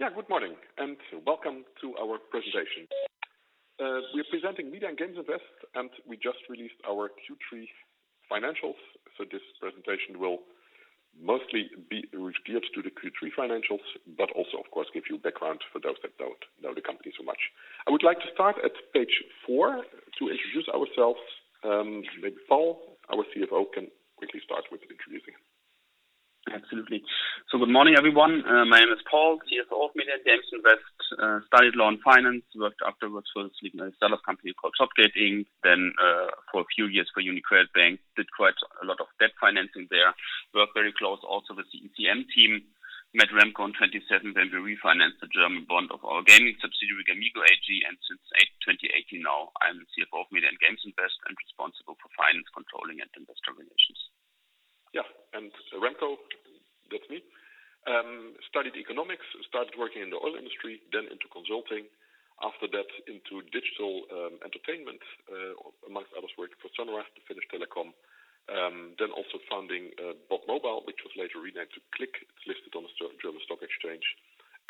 Yeah. Good morning, and welcome to our presentation. We're presenting Media and Games Invest, and we just released our Q3 financials. This presentation will mostly be geared to the Q3 financials, but also, of course, give you background for those that don't know the company so much. I would like to start at page four to introduce ourselves. Maybe Paul, our CFO, can quickly start with introducing. Absolutely. Good morning, everyone. My name is Paul, CFO of Media and Games Invest. Studied law and finance, worked afterwards for a seller company called Topgame, then for a few years for UniCredit Bank. Did quite a lot of debt financing there. Worked very close also with the ECM team. Met Remco in 2017 when we refinanced the German bond of our gaming subsidiary, gamigo AG, and since 2018 now, I'm CFO of Media and Games Invest and responsible for finance controlling and investor relations. Yeah. Remco, that's me. Studied economics, started working in the oil industry, then into consulting. After that, into digital entertainment. Amongst others, worked for Sonera, the Finnish Telecom. Also founding Bob Mobile, which was later renamed to CLIQ. It's listed on the German Stock Exchange.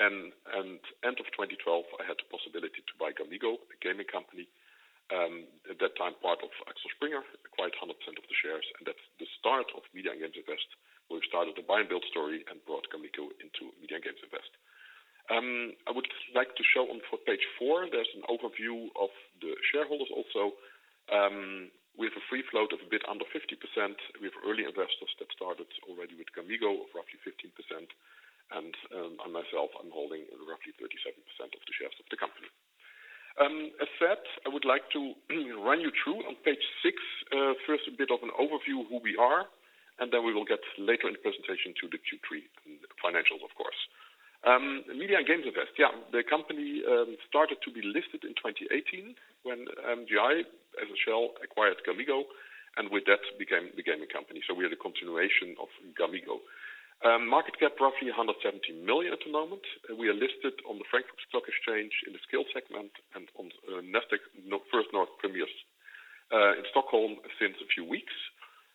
End of 2012, I had the possibility to buy Gamigo, a gaming company. At that time, part of Axel Springer, acquired 100% of the shares, that's the start of Media and Games Invest, where we started the buy and build story and brought Gamigo into Media and Games Invest. I would like to show on page four, there's an overview of the shareholders also. We have a free float of a bit under 50%. We have early investors that started already with Gamigo of roughly 15%, myself, I'm holding roughly 37% of the shares of the company. As said, I would like to run you through on page six, first a bit of an overview who we are, and then we will get later in the presentation to the Q3 financials, of course. Media and Games Invest. Yeah. The company started to be listed in 2018 when MGI, as a shell, acquired gamigo, and with that became a gaming company. We are the continuation of gamigo. Market cap, roughly 170 million at the moment. We are listed on the Frankfurt Stock Exchange in the Scale segment and on Nasdaq First North Premier in Stockholm since a few weeks.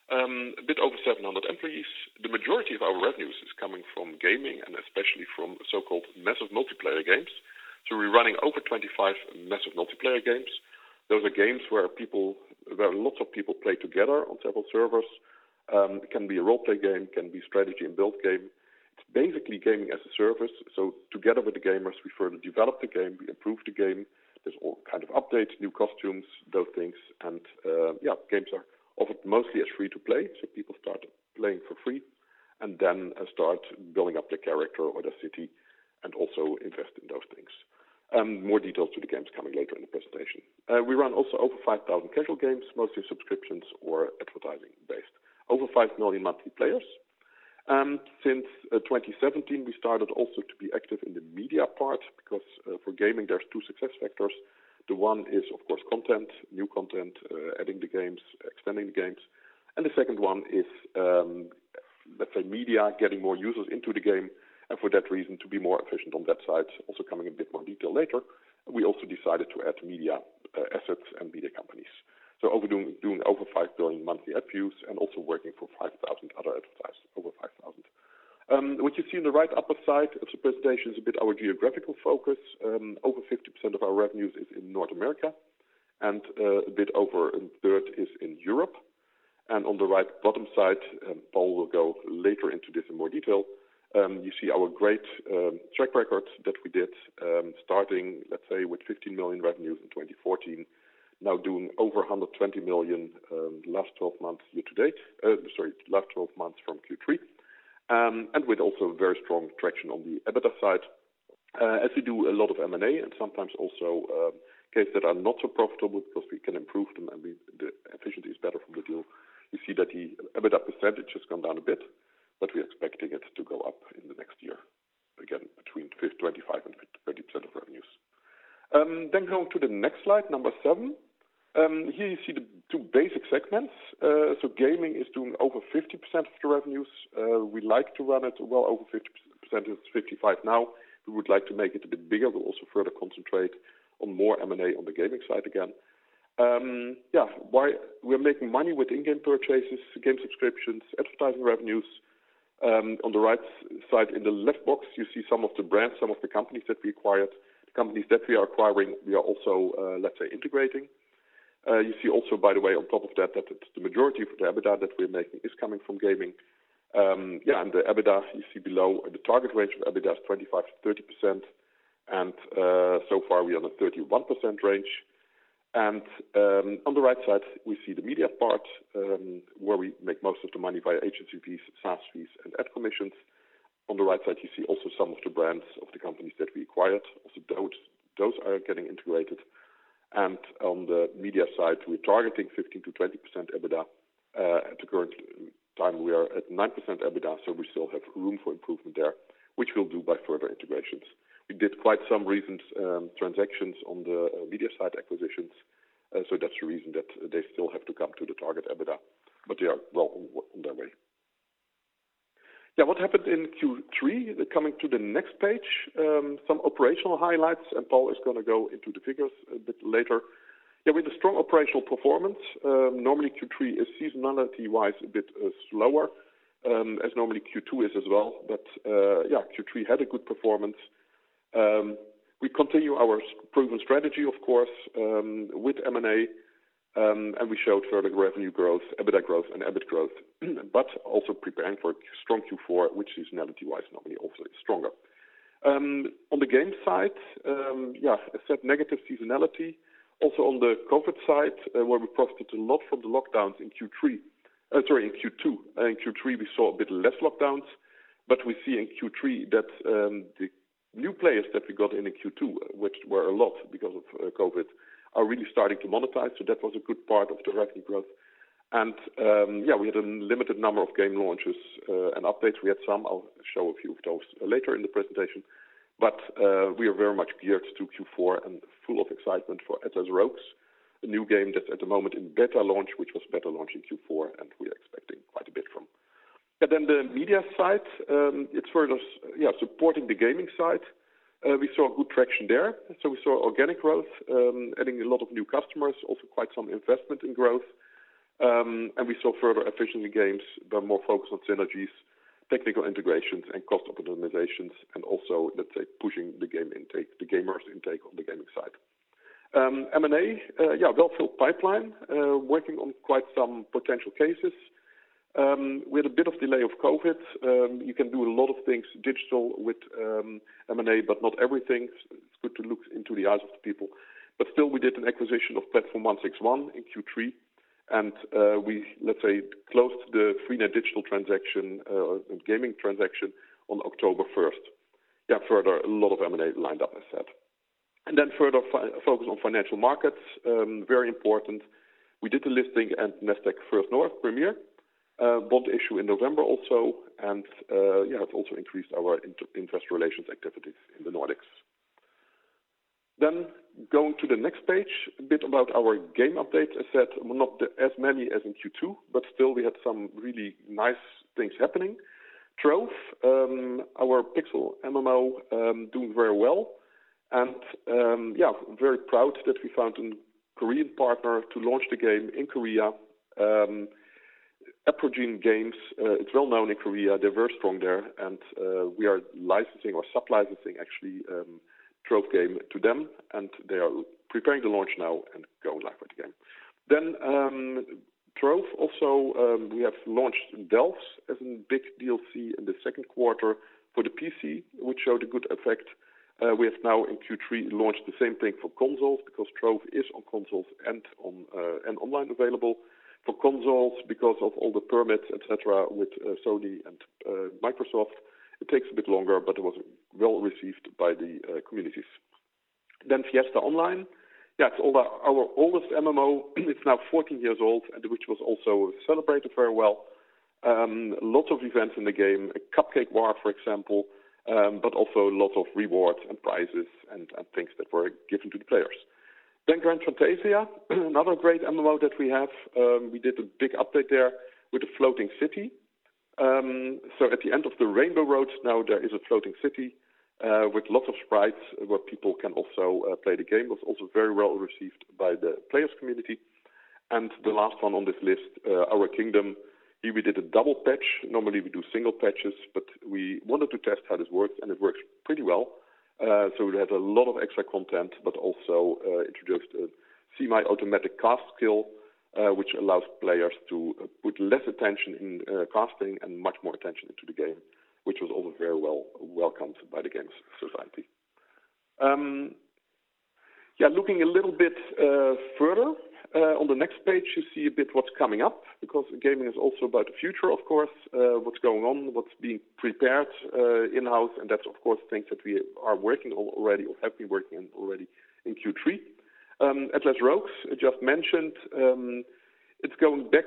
A bit over 700 employees. The majority of our revenues is coming from gaming and especially from so-called massive multiplayer games. We're running over 25 massive multiplayer games. Those are games where lots of people play together on several servers. It can be a role-playing game, can be strategy and build game. It's basically gaming as a service. Together with the gamers, we further develop the game, we improve the game. There's all kind of updates, new costumes, those things. Yeah, games are offered mostly as free-to-play. People start playing for free and then start building up their character or their city and also invest in those things. More details to the games coming later in the presentation. We run also over 5,000 casual games, mostly subscriptions or advertising-based. Over five million monthly players. Since 2017, we started also to be active in the media part because for gaming, there's two success factors. The one is, of course, content, new content, adding the games, extending the games. The second one is, let's say, media getting more users into the game. For that reason, to be more efficient on that side, also coming in a bit more detail later, we also decided to add media assets and media companies. Doing over five billion monthly ad views and also working for 5,000 other advertisers, over 5,000. What you see in the right upper side of the presentation is a bit our geographical focus. Over 50% of our revenues is in North America, and a bit over a third is in Europe. On the right bottom side, Paul will go later into this in more detail. You see our great track record that we did starting, let's say, with 15 million revenues in 2014. Now doing over 120 million last 12 months from Q3. With also very strong traction on the EBITDA side. As we do a lot of M&A and sometimes also cases that are not so profitable because we can improve them and the efficiency is better from the deal. You see that the EBITDA percentage has gone down a bit, but we're expecting it to go up in the next year, again, between 25%-30% of revenues. Going to the next slide, number seven. Here you see the two basic segments. Gaming is doing over 50% of the revenues. We like to run it well over 50%. It's 55% now. We would like to make it a bit bigger. We'll also further concentrate on more M&A on the gaming side again. Yeah. We're making money with in-game purchases, game subscriptions, advertising revenues. On the right side, in the left box, you see some of the brands, some of the companies that we acquired. Companies that we are acquiring, we are also, let's say, integrating. You see also, by the way, on top of that the majority of the EBITDA that we're making is coming from gaming. Yeah. The EBITDA you see below, the target range for the EBITDA is 25%-30%. So far, we are on a 31% range. On the right side, we see the media part, where we make most of the money via agency fees, SaaS fees, and ad commissions. On the right side, you see also some of the brands of the companies that we acquired. Also, those are getting integrated. On the media side, we're targeting 15%-20% EBITDA. At the current time, we are at 9% EBITDA, so we still have room for improvement there, which we'll do by further integrations. We did quite some recent transactions on the media side acquisitions, so that's the reason that they still have to come to the target EBITDA. They are well on their way. Yeah, what happened in Q3? Coming to the next page, some operational highlights, and Paul is going to go into the figures a bit later. With a strong operational performance. Normally Q3 is seasonality-wise a bit slower, as normally Q2 is as well. Q3 had a good performance. We continue our proven strategy, of course, with M&A, and we showed further revenue growth, EBITDA growth, and EBIT growth, but also preparing for a strong Q4, which seasonality-wise normally also is stronger. On the games side, I said negative seasonality. Also on the COVID side, where we profited a lot from the lockdowns in Q2. In Q3, we saw a bit less lockdowns, but we see in Q3 that the new players that we got in Q2, which were a lot because of COVID, are really starting to monetize. That was a good part of the revenue growth. We had a limited number of game launches and updates. We had some, I'll show a few of those later in the presentation, but we are very much geared to Q4 and full of excitement for Atlas Rogues, a new game that at the moment in beta launch, which was beta launch in Q4, and we are expecting quite a bit from. The media side, it's further supporting the gaming side. We saw good traction there. We saw organic growth, adding a lot of new customers, also quite some investment in growth. We saw further efficiency gains, but more focused on synergies, technical integrations, and cost optimizations, and also pushing the gamers' intake on the gaming side. M&A, well-filled pipeline, working on quite some potential cases. We had a bit of delay of COVID. You can do a lot of things digital with M&A, but not everything. It's good to look into the eyes of the people. Still, we did an acquisition of Platform161 in Q3, and we closed the Freenet Digital transaction, gaming transaction on October 1st. A lot of M&A lined up, I said. Further focus on financial markets, very important. We did the listing at Nasdaq First North Premier, a bond issue in November also, and have also increased our investor relations activities in the Nordics. Going to the next page, a bit about our game update. I said not as many as in Q2, but still we had some really nice things happening. Trove, our pixel MMO, doing very well. Very proud that we found a Korean partner to launch the game in Korea. Aprogen Games, it's well-known in Korea. They're very strong there, and we are licensing or sub-licensing, actually, Trove game to them, and they are preparing to launch now and go live with the game. Trove also, we have launched Delves as in big DLC in the second quarter for the PC, which showed a good effect. We have now in Q3 launched the same thing for consoles because Trove is on consoles and online available. For consoles because of all the permits, et cetera, with Sony and Microsoft, it takes a bit longer, but it was well received by the communities. Fiesta Online. That's our oldest MMO. It's now 14 years old, and which was also celebrated very well. Lots of events in the game, a cupcake war, for example, but also lots of rewards and prizes and things that were given to the players. Grand Fantasia, another great MMO that we have. We did a big update there with the Floating City. At the end of the Rainbow Road now there is a floating city with lots of sprites where people can also play the game. It was also very well received by the players community. The last one on this list, Aura Kingdom. Here we did a double patch. Normally, we do single patches, but we wanted to test how this works, and it works pretty well. It has a lot of extra content, but also introduced a semi-automatic cast skill, which allows players to put less attention in casting and much more attention into the game, which was also very well welcomed by the game's society. Looking a little bit further. On the next page, you see a bit what's coming up because gaming is also about the future, of course. What's going on, what's being prepared in-house, and that's of course, things that we are working already or have been working already in Q3. Atlas Rogues, I just mentioned. It's a game that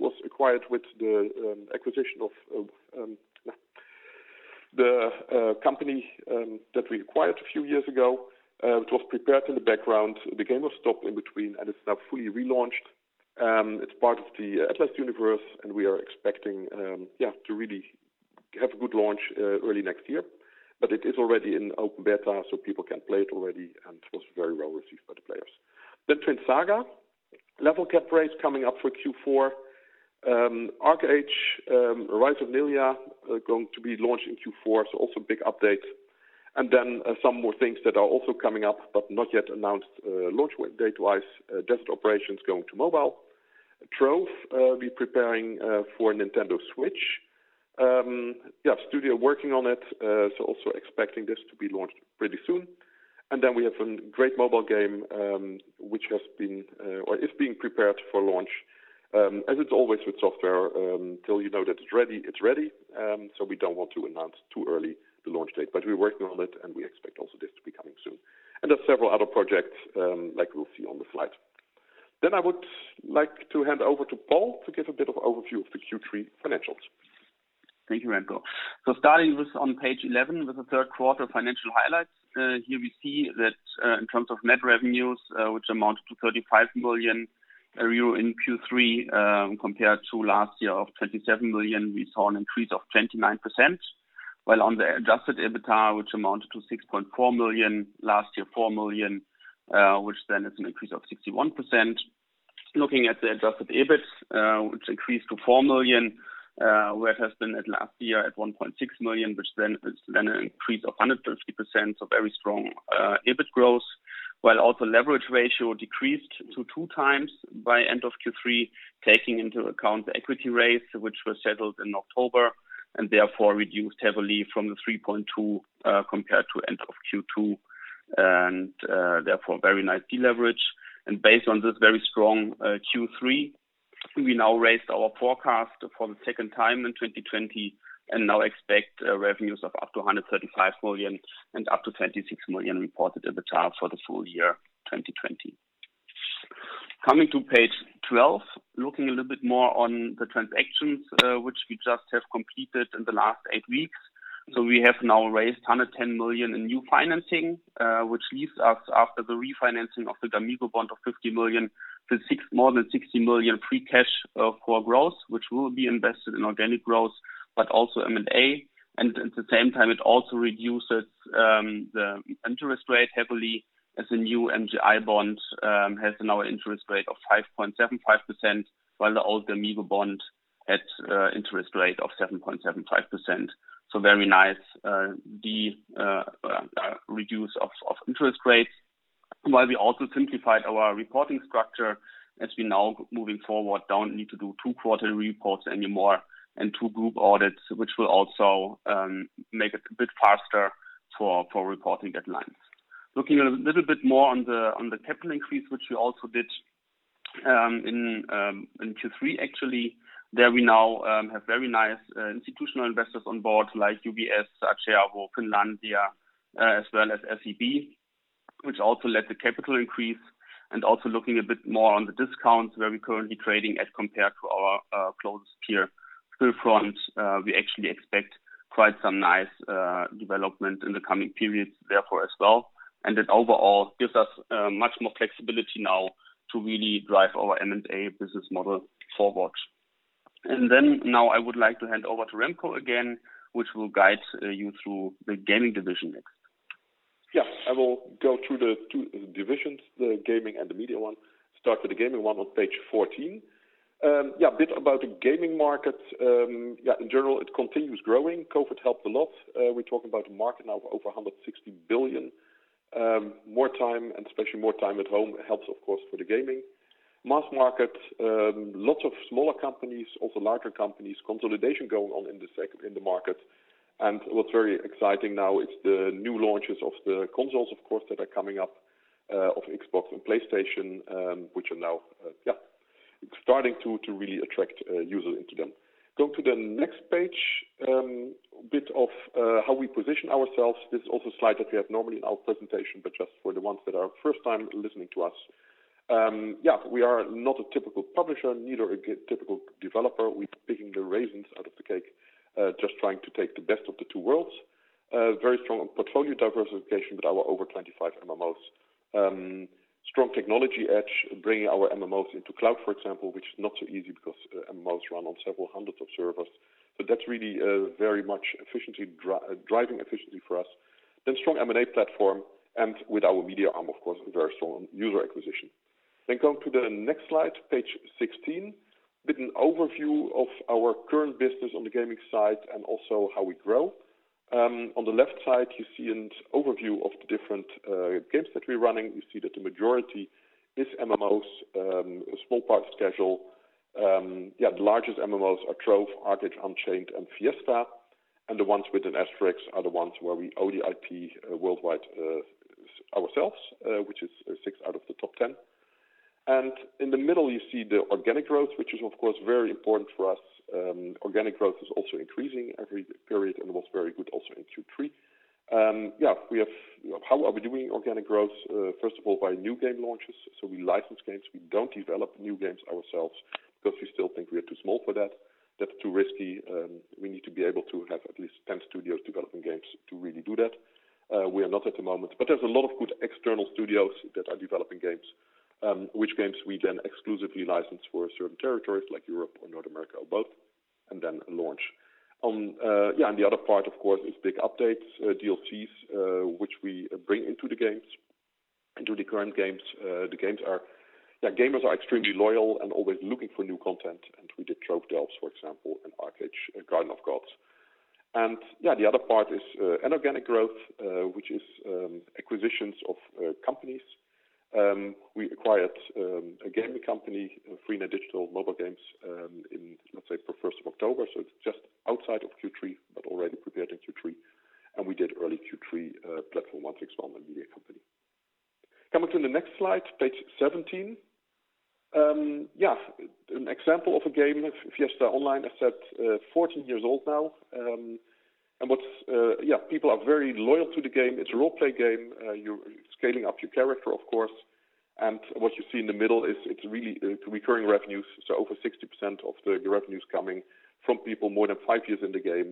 was acquired with the acquisition of the company that we acquired a few years ago. It was prepared in the background. The game was stopped in between, and it's now fully relaunched. It's part of the Atlas universe, and we are expecting to really have a good launch early next year. It is already in open beta, so people can play it already, and it was very well received by the players. Twin Saga. Level cap raise coming up for Q4. ArcheAge, Rise of Nehliya going to be launched in Q4, so also big updates. Some more things that are also coming up but not yet announced launch date-wise. Desert Operations going to mobile. Trove will be preparing for Nintendo Switch. Studio working on it, so also expecting this to be launched pretty soon. We have a great mobile game which is being prepared for launch. As it's always with software, until you know that it's ready, it's ready. We don't want to announce too early the launch date. We're working on it and we expect also this to be coming soon. There's several other projects like we'll see on the slide. I would like to hand over to Paul to give a bit of overview of the Q3 financials. Thank you, Remco. Starting with on page 11 with the third quarter financial highlights. Here we see that in terms of net revenues, which amounted to 35 million euro in Q3 compared to last year of 27 million, we saw an increase of 29%. On the adjusted EBITDA, which amounted to 6.4 million, last year, 4 million, which is an increase of 61%. Looking at the adjusted EBIT, which increased to 4 million, where it has been at last year at 1.6 million, which is an increase of 150%. Very strong EBIT growth. Also leverage ratio decreased to 2x by end of Q3, taking into account the equity raises, which was settled in October, and therefore reduced heavily from the 3.2, compared to end of Q2, and therefore very nice deleverage. Based on this very strong Q3, we now raised our forecast for the second time in 2020, and now expect revenues of up to 135 million and up to 26 million reported EBITDA for the full year 2020. Coming to page 12, looking a little bit more on the transactions, which we just have completed in the last eight weeks. We have now raised 110 million in new financing, which leaves us after the refinancing of the gamigo bond of 50 million to more than 60 million free cash of core growth, which will be invested in organic growth, but also M&A. At the same time, it also reduces the interest rate heavily as the new MGI bond has now an interest rate of 5.75%, while the old gamigo bond had interest rate of 7.75%. Very nice reduce of interest rates. While we also simplified our reporting structure as we now moving forward, don't need to do two quarter reports anymore and two group audits, which will also make it a bit faster for reporting deadlines. Looking a little bit more on the capital increase, which we also did in Q3, actually. There we now have very nice institutional investors on board like UBS, Finlandia, as well as SEB, which also led the capital increase and also looking a bit more on the discounts where we're currently trading as compared to our closest peer Stillfront. We actually expect quite some nice development in the coming periods, therefore, as well. That overall gives us much more flexibility now to really drive our M&A business model forward. Now I would like to hand over to Remco again, which will guide you through the gaming division next. Yeah, I will go through the two divisions, the gaming and the media one. Start with the gaming one on page 14. A bit about the gaming market. In general, it continues growing. COVID helped a lot. We're talking about a market now of over 160 billion. More time, and especially more time at home helps, of course, for the gaming. Mass market. Lots of smaller companies, also larger companies, consolidation going on in the market. What's very exciting now is the new launches of the consoles, of course, that are coming up, of Xbox and PlayStation, which are now starting to really attract users into them. Going to the next page, a bit of how we position ourselves. This is also a slide that we have normally in our presentation, but just for the ones that are first time listening to us. We are not a typical publisher, neither a typical developer. We're picking the raisins out of the cake, just trying to take the best of the two worlds. Very strong on portfolio diversification with our over 25 MMOs. Strong technology edge, bringing our MMOs into cloud, for example, which is not so easy because MMOs run on several hundreds of servers. That's really very much driving efficiency for us. Strong M&A platform and with our media arm, of course, very strong user acquisition. Going to the next slide, page 16. Bit of an overview of our current business on the gaming side and also how we grow. On the left side, you see an overview of the different games that we're running. You see that the majority is MMOs, a small part casual. The largest MMOs are Trove, ArcheAge Unchained, and Fiesta. The ones with an asterisk are the ones where we own the IP worldwide ourselves, which is six out of the top 10. In the middle, you see the organic growth, which is, of course, very important for us. Organic growth is also increasing every period and it was very good also in Q3. How are we doing organic growth? First of all, by new game launches. We license games. We don't develop new games ourselves because we still think we are too small for that. That's too risky. We need to be able to have at least 10 studios developing games to really do that. We are not at the moment. There's a lot of good external studios that are developing games, which games we then exclusively license for certain territories like Europe or North America or both, and then launch. The other part, of course, is big updates, DLCs, which we bring into the current games. Gamers are extremely loyal and always looking for new content. We did Trove Delves, for example, and ArcheAge: Garden of the Gods. The other part is inorganic growth, which is acquisitions of companies. We acquired a gaming company, Freenet Digital GmbH in, let’s say, for October1st, so it’s just outside of Q3, but already prepared in Q3. We did early Q3 Platform161, a media company. Coming to the next slide, page 17. An example of a game, Fiesta Online, as said, 14 years old now. People are very loyal to the game. It’s a role-play game. You’re scaling up your character, of course. What you see in the middle is it’s really recurring revenues. Over 60% of the revenues coming from people more than five years in the game.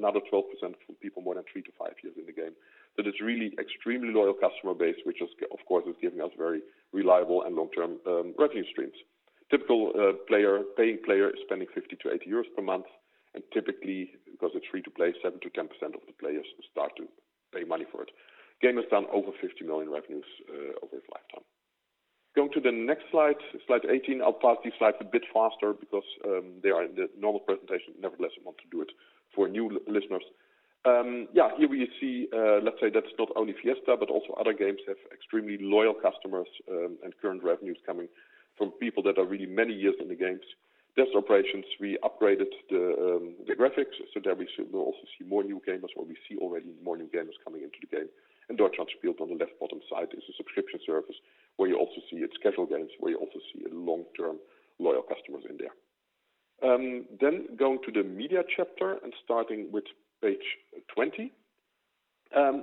Another 12% from people more than three to five years in the game. It's really extremely loyal customer base, which, of course, is giving us very reliable and long-term revenue streams. Typical paying player is spending 50-80 euros per month, and typically, because it's free-to-play, 7%-10% of the players start to pay money for it. Game has done over 50 million revenues over its lifetime. Going to the next slide 18. I'll pass these slides a bit faster because they are in the normal presentation. Nevertheless, I want to do it for new listeners. Here we see, let's say that's not only Fiesta, but also other games have extremely loyal customers and current revenues coming from people that are really many years in the games. Desert Operations, we upgraded the graphics, so there we should also see more new gamers or we see already more new gamers coming into the game. Deutschland Spielt on the left bottom side is a subscription service where you also see it schedule games, where you also see long-term loyal customers in there. Going to the media chapter and starting with page 20.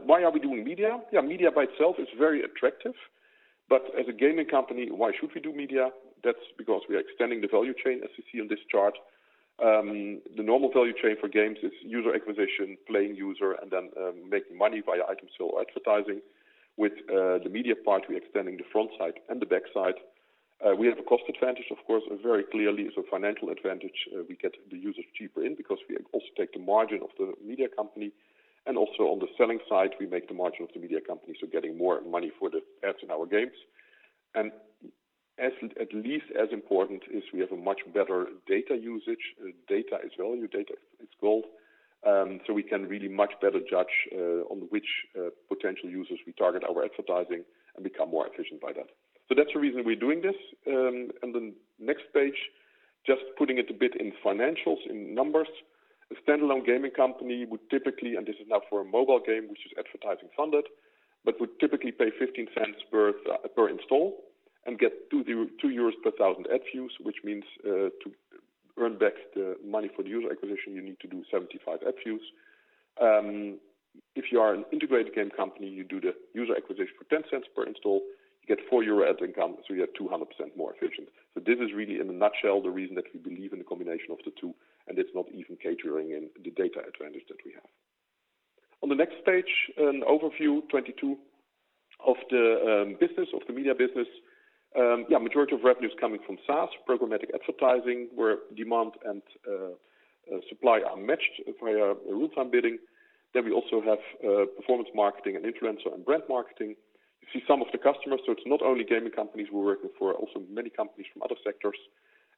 Why are we doing media? Yeah, media by itself is very attractive. As a gaming company, why should we do media? That's because we are extending the value chain, as you see on this chart. The normal value chain for games is user acquisition, playing user, and then making money via item sale or advertising. With the media part, we're extending the front side and the back side. We have a cost advantage, of course, very clearly. Financial advantage, we get the users cheaper in because we also take the margin of the media company, and also on the selling side, we make the margin of the media company. Getting more money for the ads in our games. At least as important is we have a much better data usage. Data is value, data is gold. We can really much better judge on which potential users we target our advertising and become more efficient by that. That's the reason we're doing this. The next page, just putting it a bit in financials, in numbers. A standalone gaming company would typically, and this is now for a mobile game which is advertising funded but would typically pay 0.15 per install and get 2 euros per thousand ad views, which means to earn back the money for the user acquisition, you need to do 75 ad views. If you are an integrated game company, you do the user acquisition for 0.10 per install, you get 4 euro ad income, you are 200% more efficient. This is really in a nutshell, the reason that we believe in the combination of the two, and it's not even catering in the data advantage that we have. On the next page, an overview, 22, of the media business. Majority of revenue is coming from SaaS, programmatic advertising, where demand and supply are matched via real-time bidding. We also have performance marketing and influencer and brand marketing. You see some of the customers. It's not only gaming companies we're working for, also many companies from other sectors.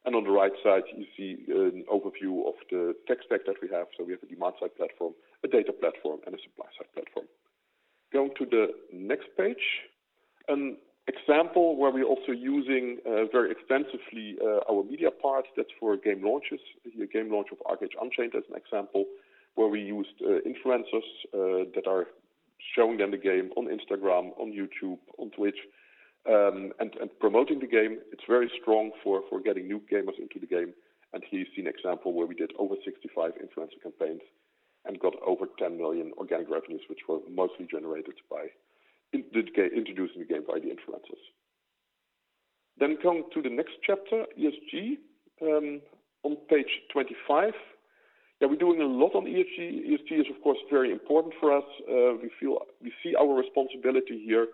On the right side, you see an overview of the tech stack that we have. We have a demand-side platform, a data platform, and a supply-side platform. Going to the next page. An example where we're also using very extensively our media part, that's for game launches. Here, game launch of ArcheAge: Unchained as an example, where we used influencers that are showing them the game on Instagram, on YouTube, on Twitch, and promoting the game. It's very strong for getting new gamers into the game. Here you see an example where we did over 65 influencer campaigns and got over 10 million organic revenues, which were mostly generated by introducing the game by the influencers. Come to the next chapter, ESG, on page 25. Yeah, we're doing a lot on ESG. ESG is, of course, very important for us. We see our responsibility here.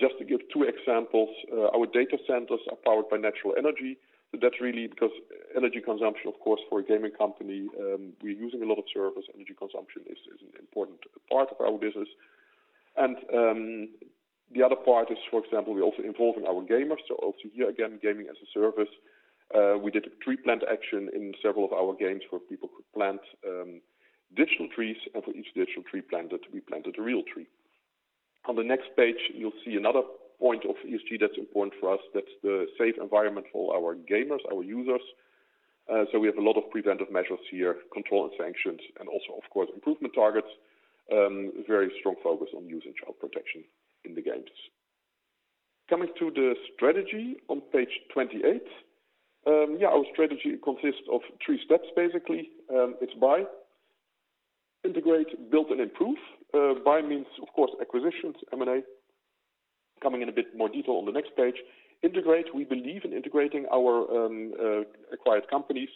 Just to give two examples. Our data centers are powered by natural energy. That's really because energy consumption, of course, for a gaming company, we're using a lot of servers. Energy consumption is an important part of our business. The other part is, for example, we're also involving our gamers. Also here, again, gaming as a service. We did a tree plant action in several of our games where people could plant digital trees, and for each digital tree planted, we planted a real tree. On the next page, you'll see another point of ESG that's important for us. That's the safe environment for our gamers, our users. We have a lot of preventive measures here, control and sanctions, and also, of course, improvement targets. Very strong focus on user and child protection in the games. Coming to the strategy on page 28. Our strategy consists of three steps basically. It's buy, integrate, build, and improve. Buy means, of course, acquisitions, M&A. Coming in a bit more detail on the next page. Integrate, we believe in integrating our acquired companies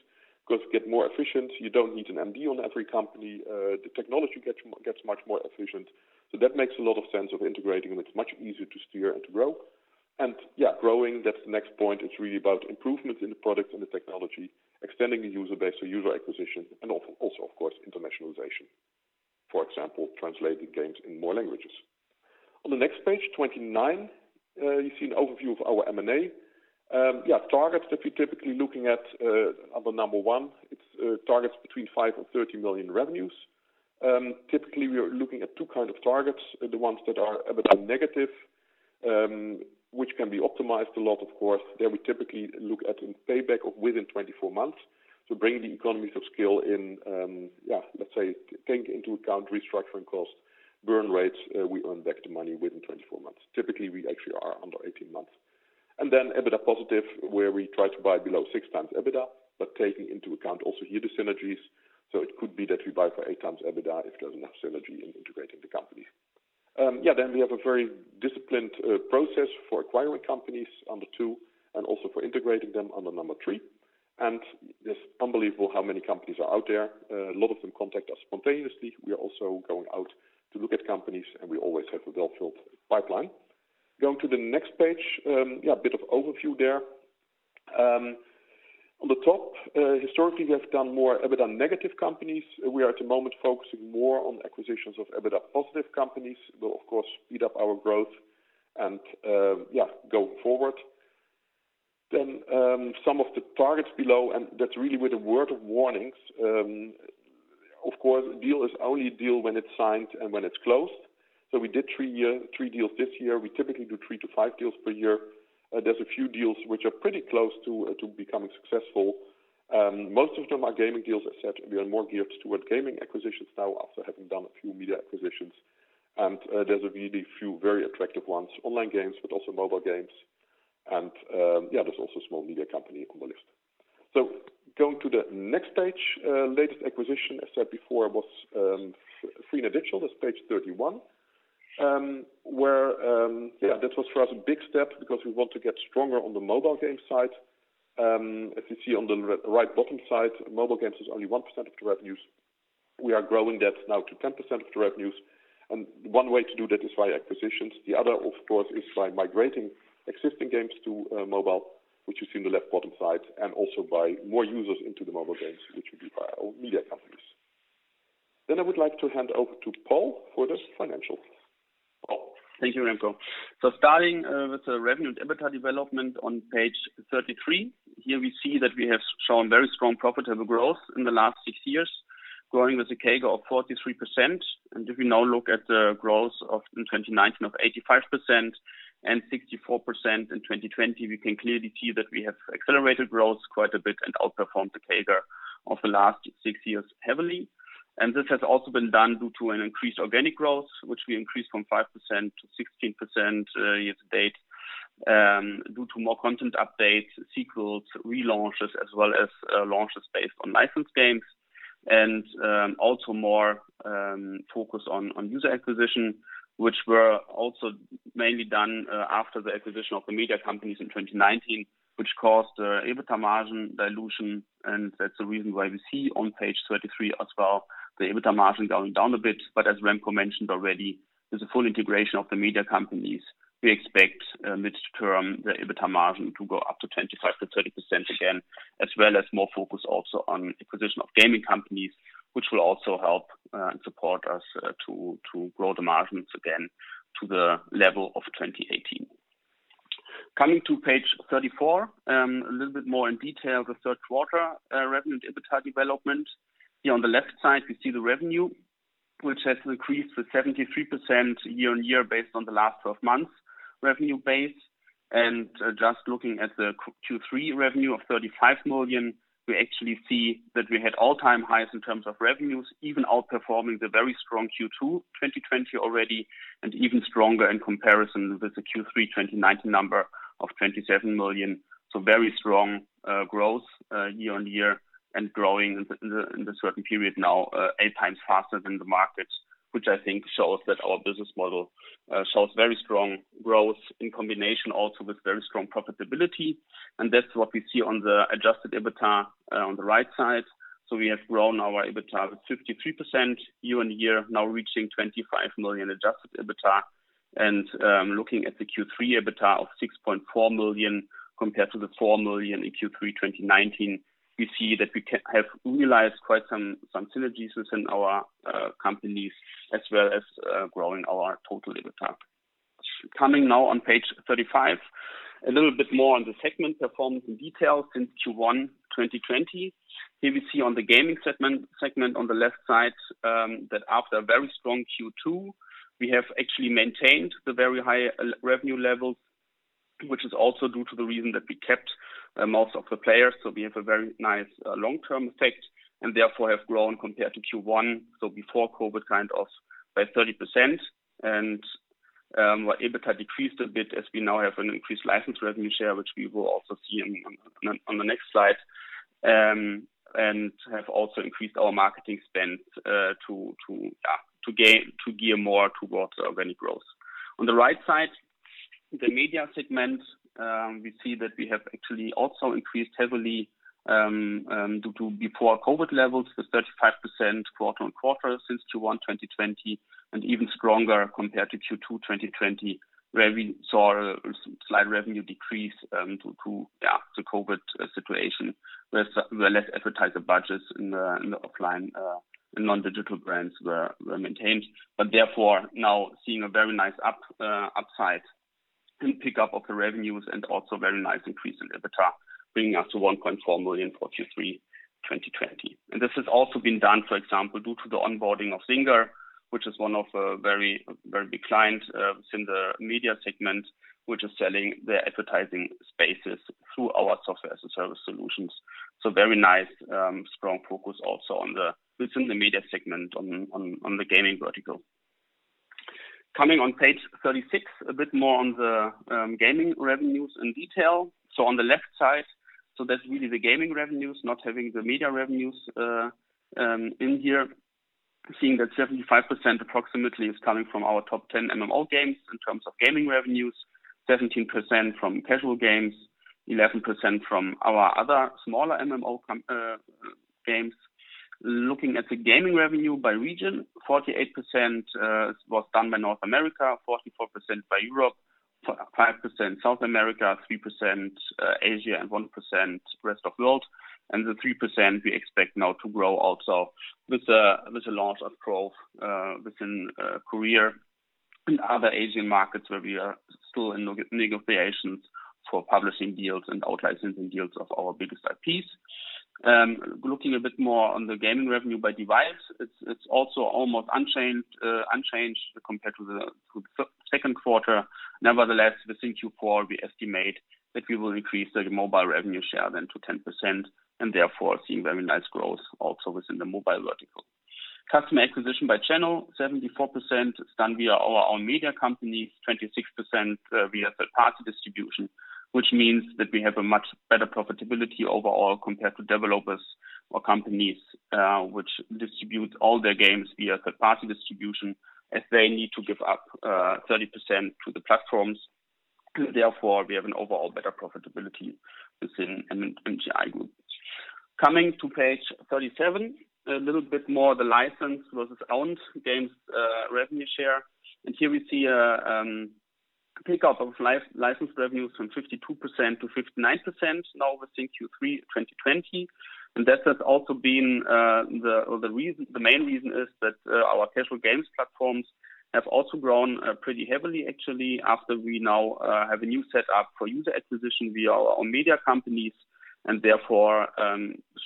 because you get more efficient. You don't need an MD on every company. The technology gets much more efficient. That makes a lot of sense of integrating them. It's much easier to steer and to grow. Growing, that's the next point. It's really about improvements in the product and the technology, extending the user base or user acquisition, and also, of course, internationalization. For example, translating games in more languages. On the next page 29, you see an overview of our M&A. Targets that we're typically looking at are the number one. It's targets between 5 million-13 million revenues. Typically, we are looking at two kinds of targets, the ones that are EBITDA negative, which can be optimized a lot, of course. There we typically look at payback within 24 months to bring the economies of scale in, let's say, take into account restructuring costs, burn rates, we earn back the money within 24 months. Typically, we actually are under 18 months. EBITDA positive, where we try to buy below 6x EBITDA, taking into account also here the synergies. It could be that we buy for 8x EBITDA if there's enough synergy in integrating the companies. We have a very disciplined process for acquiring companies under two and also for integrating them under number three. It's unbelievable how many companies are out there. A lot of them contact us spontaneously. We are also going out to look at companies, and we always have a well-filled pipeline. Going to the next page. A bit of overview there. On the top, historically, we have done more EBITDA negative companies. We are at the moment focusing more on acquisitions of EBITDA positive companies. Will, of course, speed up our growth and go forward. Some of the targets below, and that's really with a word of warnings. Of course, a deal is only a deal when it's signed and when it's closed. We did three deals this year. We typically do three to five deals per year. There's a few deals which are pretty close to becoming successful. Most of them are gaming deals. As I said, we are more geared toward gaming acquisitions now after having done a few media acquisitions. There's a really few very attractive ones, online games, but also mobile games. There's also a small media company on the list. Going to the next page. Latest acquisition, as said before, was Freenet Digital. That's page 31. This was, for us, a big step because we want to get stronger on the mobile game side. If you see on the right bottom side, mobile games is only 1% of the revenues. We are growing that now to 10% of the revenues, one way to do that is via acquisitions. The other, of course, is by migrating existing games to mobile, which you see in the left bottom side, and also by more users into the mobile games, which will be via our media companies. I would like to hand over to Paul for the financials. Paul. Thank you, Remco. Starting with the revenue and EBITDA development on page 33. Here we see that we have shown very strong profitable growth in the last six years, growing with a CAGR of 43%. If we now look at the growth in 2019 of 85% and 64% in 2020, we can clearly see that we have accelerated growth quite a bit and outperformed the CAGR of the last six years heavily. This has also been done due to an increased organic growth, which we increased from 5%-16% year to date, due to more content updates, sequels, relaunches, as well as launches based on licensed games, and also more focus on user acquisition, which were also mainly done after the acquisition of the media companies in 2019, which caused the EBITDA margin dilution. That's the reason why we see on page 33 as well, the EBITDA margin going down a bit. As Remco mentioned already, there's a full integration of the media companies. We expect mid-term, the EBITDA margin to go up to 25%-30% again, as well as more focus also on acquisition of gaming companies, which will also help support us to grow the margins again to the level of 2018. Coming to page 34. A little bit more in detail. The third quarter revenue and EBITDA development. Here on the left side, we see the revenue, which has increased to 73% year-on-year based on the last 12 months revenue base. Just looking at the Q3 revenue of 35 million, we actually see that we had all-time highs in terms of revenues, even outperforming the very strong Q2 2020 already, and even stronger in comparison with the Q3 2019 number of 27 million. Very strong growth year-on-year and growing in the certain period now 8x faster than the market, which I think shows that our business model shows very strong growth in combination also with very strong profitability. That's what we see on the adjusted EBITDA on the right side. We have grown our EBITDA with 53% year-on-year, now reaching 25 million adjusted EBITDA. Looking at the Q3 EBITDA of 6.4 million compared to the 4 million in Q3 2019, we see that we have realized quite some synergies within our companies as well as growing our total EBITDA. Coming now on page 35. A little bit more on the segment performance in detail since Q1 2020. Here we see on the gaming segment on the left side, that after a very strong Q2, we have actually maintained the very high revenue levels, which is also due to the reason that we kept most of the players. We have a very nice long-term effect and therefore have grown compared to Q1, so before COVID kind of by 30%. Our EBITDA decreased a bit as we now have an increased license revenue share, which we will also see on the next slide, and have also increased our marketing spend to gear more towards revenue growth. On the right side, the media segment, we see that we have actually also increased heavily due to before COVID levels with 35% quarter-on-quarter since Q1 2020 and even stronger compared to Q2 2020, where we saw a slight revenue decrease due to the COVID situation, where less advertiser budgets in the offline and non-digital brands were maintained. Therefore, now seeing a very nice upside pick up of the revenues and also very nice increase in EBITDA, bringing us to 1.4 million for Q3 2020. This has also been done, for example, due to the onboarding of Zynga, which is one of a very big client within the media segment, which is selling their advertising spaces through our Software as a Service solution. Very nice strong focus also within the media segment on the gaming vertical. Coming on page 36, a bit more on the gaming revenues in detail. On the left side, that's really the gaming revenues, not having the media revenues in here. Seeing that 75% approximately is coming from our top 10 MMO games in terms of gaming revenues, 17% from casual games, 11% from our other smaller MMO games. Looking at the gaming revenue by region, 48% was done by North America, 44% by Europe, 5% South America, 3% Asia, and 1% rest of world. The 3% we expect now to grow also with the launch, of course within Korea and other Asian markets where we are still in negotiations for publishing deals and out-licensing deals of our biggest IPs. Looking a bit more on the gaming revenue by device, it's also almost unchanged compared to the second quarter. Nevertheless, within Q4, we estimate that we will increase the mobile revenue share then to 10%, and therefore seeing very nice growth also within the mobile vertical. Customer acquisition by channel, 74% is done via our own media companies, 26% via third-party distribution. Which means that we have a much better profitability overall, compared to developers or companies which distribute all their games via third-party distribution as they need to give up 30% to the platforms. Therefore, we have an overall better profitability within MGI Group. Coming to page 37, a little bit more the licensed versus owned games revenue share. Here we see a pick-up of licensed revenues from 52%-59% now within Q3 2020. That has also been the main reason is that our casual games platforms have also grown pretty heavily actually, after we now have a new set up for user acquisition via our media companies, and therefore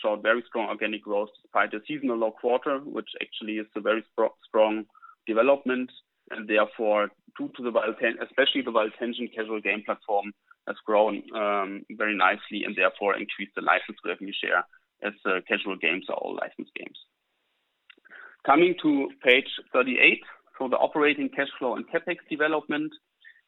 showed very strong organic growth despite a seasonal low quarter, which actually is a very strong development, and therefore due to the WildTangent. Especially the WildTangent casual game platform has grown very nicely and therefore increased the licensed revenue share as casual games are all licensed games. Coming to page 38 for the operating cash flow and CapEx development.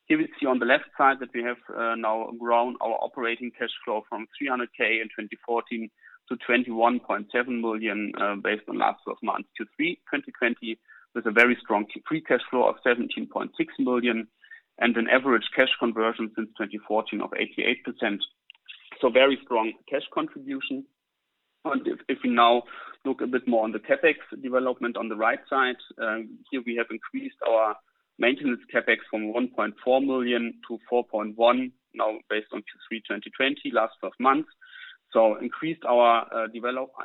Here we see on the left side that we have now grown our operating cash flow from 300,000 in 2014 to 21.7 million based on last 12 months Q3 2020, with a very strong free cash flow of 17.6 million and an average cash conversion since 2014 of 88%. Very strong cash contribution. If we now look a bit more on the CapEx development on the right side, here we have increased our maintenance CapEx from 1.4 million-4.1 million, now based on Q3 2020 last 12 months. Increased our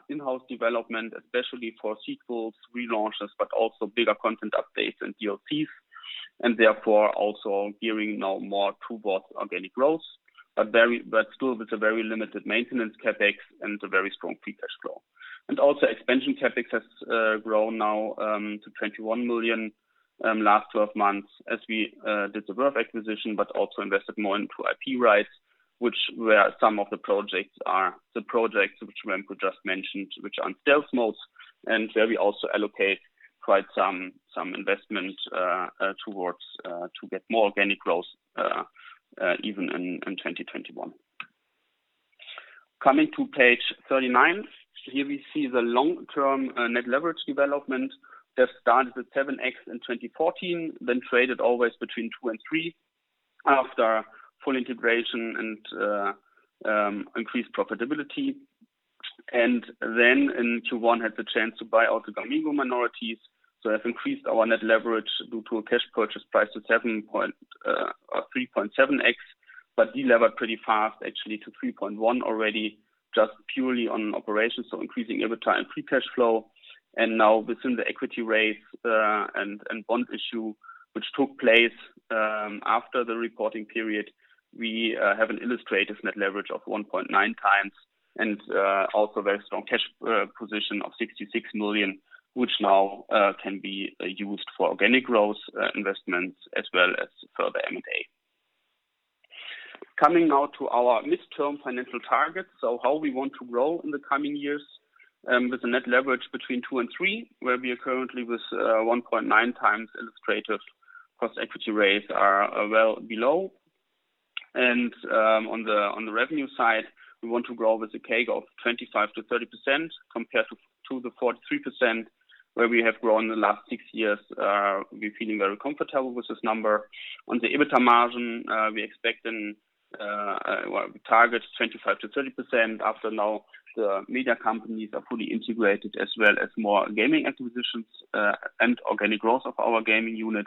in-house development, especially for sequels, relaunches, but also bigger content updates and DLCs, and therefore also gearing now more towards organic growth. Still with a very limited maintenance CapEx and a very strong free cash flow. Also expansion CapEx has grown now to 21 million last 12 months as we did the Verve acquisition, but also invested more into IP rights, which where some of the projects are the projects which Remco just mentioned, which are in stealth modes, and where we also allocate quite some investment to get more organic growth even in 2021. Coming to page 39. Here we see the long-term net leverage development that started with 7x in 2014, then traded always between two and three after full integration and increased profitability. Then in Q1 had the chance to buy out the gamigo minorities. Have increased our net leverage due to a cash purchase price to 3.7x, but delevered pretty fast actually to 3.1 already, just purely on operations, so increasing EBITDA and free cash flow. Now within the equity raise and bond issue which took place after the reporting period, we have an illustrative net leverage of 1.9x and also very strong cash position of 66 million, which now can be used for organic growth investments as well as further M&A. Coming now to our midterm financial targets. How we want to grow in the coming years with a net leverage between two and three, where we are currently with 1.9x illustrative post equity raise are well below. On the revenue side, we want to grow with a CAGR of 25%-30% compared to the 43% where we have grown in the last six years. We're feeling very comfortable with this number. On the EBITDA margin, we expect and we target 25%-30% after now the media companies are fully integrated, as well as more gaming acquisitions and organic growth of our gaming unit.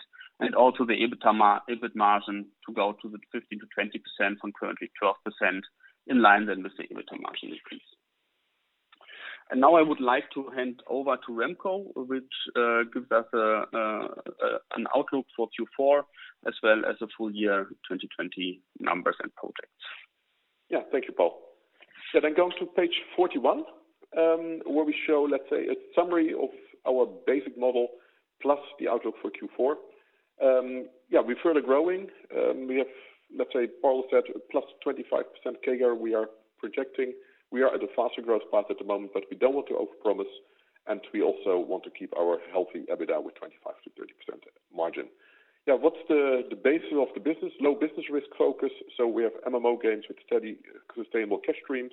Also the EBIT margin to go to the 15%-20% from currently 12% in line, then with the EBITDA margin increase. Now I would like to hand over to Remco, which gives us an outlook for Q4 as well as the full year 2020 numbers and projects. Yeah. Thank you, Paul. Going to page 41, where we show, let's say, a summary of our basic model plus the outlook for Q4. Yeah, we're further growing. We have, let's say, Paul said +25% CAGR we are projecting. We are at a faster growth path at the moment, but we don't want to overpromise, and we also want to keep our healthy EBITDA. What's the basis of the business? Low business risk focus. We have MMO games with steady, sustainable cash streams.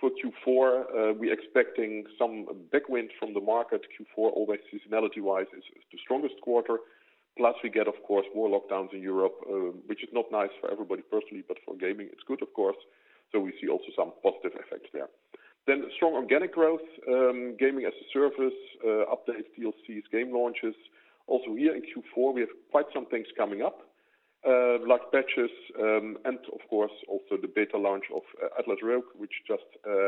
For Q4, we're expecting some backwind from the market. Q4, always seasonality-wise, is the strongest quarter. We get, of course, more lockdowns in Europe, which is not nice for everybody personally, but for gaming it's good, of course. We see also some positive effects there. Strong organic growth, gaming as a service, updates, DLCs, game launches. Here in Q4, we have quite some things coming up, like patches and, of course, also the beta launch of Atlas Rogues, which just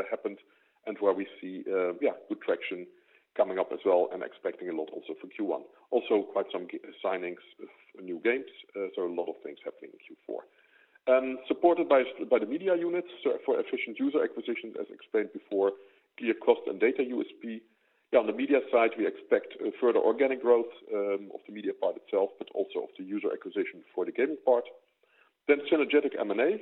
happened and where we see good traction coming up as well and expecting a lot also for Q1. Quite some signings of new games. A lot of things happening in Q4, supported by the media units for efficient user acquisition, as explained before, via cost and data USP. On the media side, we expect further organic growth of the media part itself, but also of the user acquisition for the gaming part. Synergetic M&A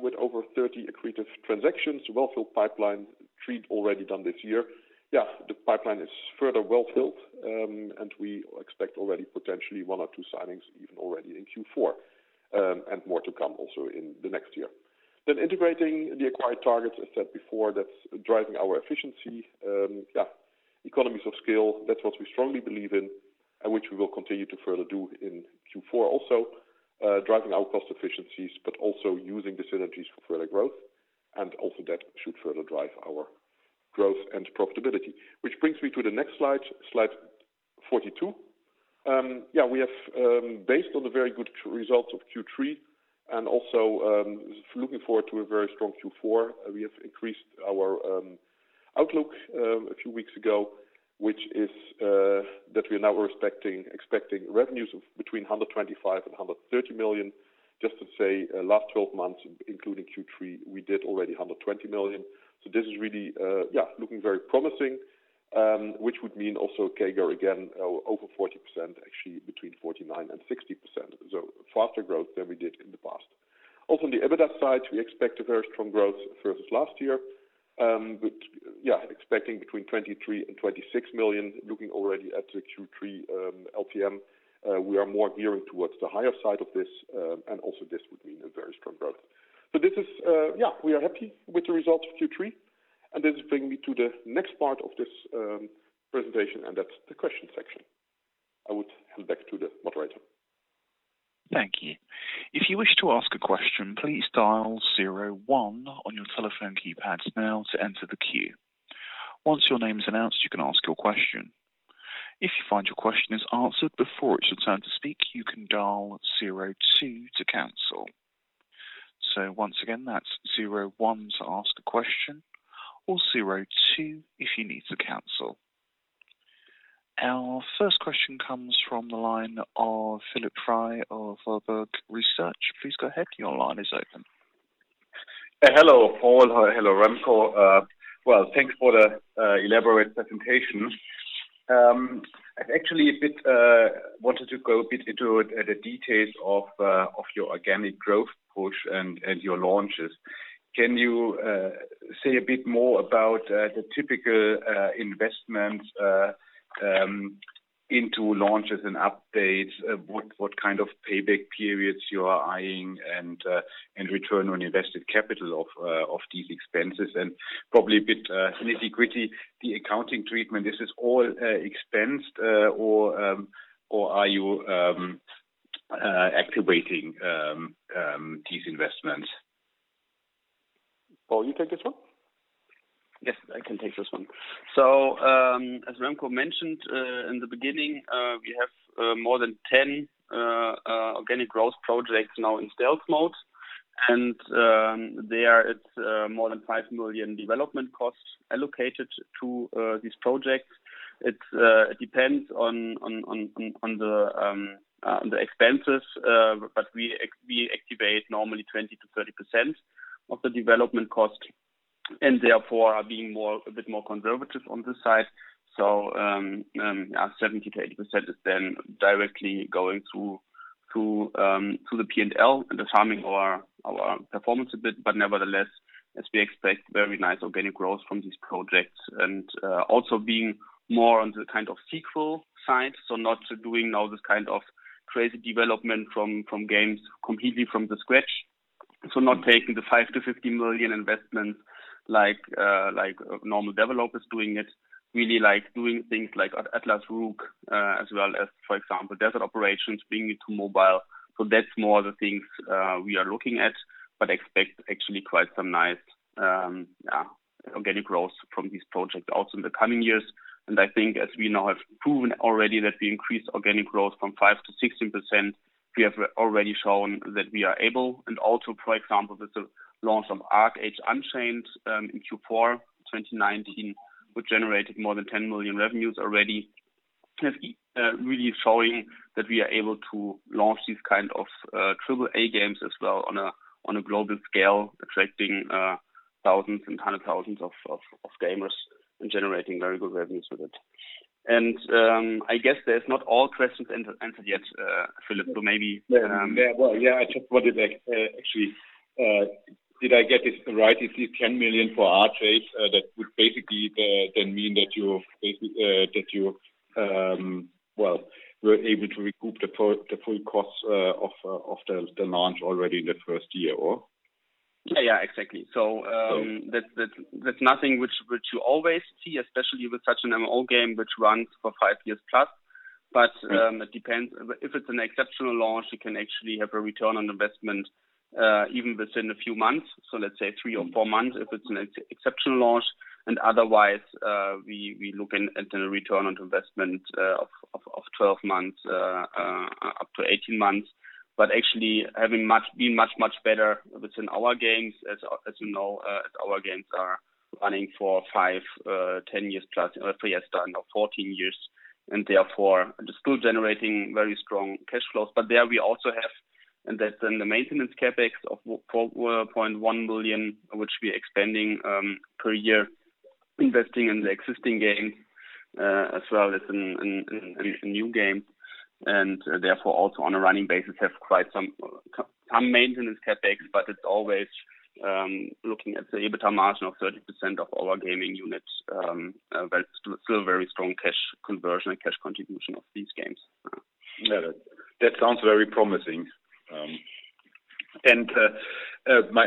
with over 30 accretive transactions. Well-filled pipeline. Three already done this year. The pipeline is further well-filled, and we expect already potentially one or two signings even already in Q4, and more to come also in the next year. Integrating the acquired targets. As said before, that's driving our efficiency. Economies of scale, that's what we strongly believe in, and which we will continue to further do in Q4 also. Driving our cost efficiencies, but also using the synergies for further growth. Also that should further drive our growth and profitability. Which brings me to the next slide 42. Based on the very good results of Q3 and also looking forward to a very strong Q4, we have increased our outlook a few weeks ago, which is that we are now expecting revenues of between 125 million and 130 million. Just to say, last 12 months, including Q3, we did already 120 million. This is really looking very promising, which would mean also CAGR, again, over 40%. Actually between 49% and 60%. Faster growth than we did in the past. Also on the EBITDA side, we expect a very strong growth versus last year. But expecting between 23 million and 26 million. Looking already at the Q3 LTM, we are more gearing towards the higher side of this, and also this would mean a very strong growth. We are happy with the results of Q3, and this brings me to the next part of this presentation, and that's the question section. I would hand back to the moderator. Thank you. If you wish to ask a question, please dial zero one on your telephone keypad now to enter the queue. Once your name is announced, you can ask your question. If you find your question is answered before it's your turn to speak, you can dial zero two to cancel. So once again, that's zero one to ask a question or zero two if you need to cancel. Our first question comes from the line of Philipp Frey of Warburg Research. Please go ahead. Your line is open. Hello, Paul. Hello, Remco. Well, thanks for the elaborate presentation. I actually wanted to go a bit into the details of your organic growth push and your launches. Can you say a bit more about the typical investments into launches and updates? What kind of payback periods you are eyeing and return on invested capital of these expenses? Probably a bit nitty-gritty, the accounting treatment. Is this all expensed or are you activating these investments? Paul, you take this one? Yes, I can take this one. As Remco mentioned in the beginning, we have more than 10 organic growth projects now in stealth mode. There is more than 5 million development costs allocated to these projects. It depends on the expenses, we activate normally 20%-30% of the development cost and therefore are being a bit more conservative on this side. 70%-80% is then directly going through the P&L and harming our performance a bit. Nevertheless, as we expect very nice organic growth from these projects and also being more on the kind of sequel side. Not doing now this kind of crazy development from games completely from the scratch. Not taking the 5 million-50 million investments like normal developers doing it. Really doing things like "Atlas Rogues" as well as, for example, "Desert Operations" bringing it to mobile. That's more the things we are looking at, but expect actually quite some nice organic growth from these projects also in the coming years. I think as we now have proven already that we increase organic growth from 5%-16%, we have already shown that we are able. Also, for example, with the launch of ArcheAge: Unchained in Q4 2019, which generated more than 10 million revenues already, really showing that we are able to launch these kind of triple A games as well on a global scale, attracting thousands and hundred thousands of gamers and generating very good revenues with it. I guess there's not all questions answered yet, Philipp. Yeah. I just wanted, actually, did I get this right? If the 10 million for ArcheAge, that would basically then mean that you were able to recoup the full cost of the launch already in the first year, or? Yeah, exactly. That's nothing which you always see, especially with such an MMORPG game, which runs for five years plus. It depends. If it's an exceptional launch, you can actually have a return on investment, even within a few months, so let's say three or four months, if it's an exceptional launch. Otherwise, we look at the return on investment of 12 months up to 18 months. Actually, having been much, much better within our games. As you know, our games are running for five, 10+ years. Yeah. [Freya] started now 14 years, and therefore are still generating very strong cash flows. There we also have, and that's in the maintenance CapEx of 4.1 million, which we expanding per year, investing in the existing game, as well as in new game, and therefore, also on a running basis have quite some maintenance CapEx. It's always looking at the EBITDA margin of 30% of our gaming units, but still very strong cash conversion and cash contribution of these games. That sounds very promising.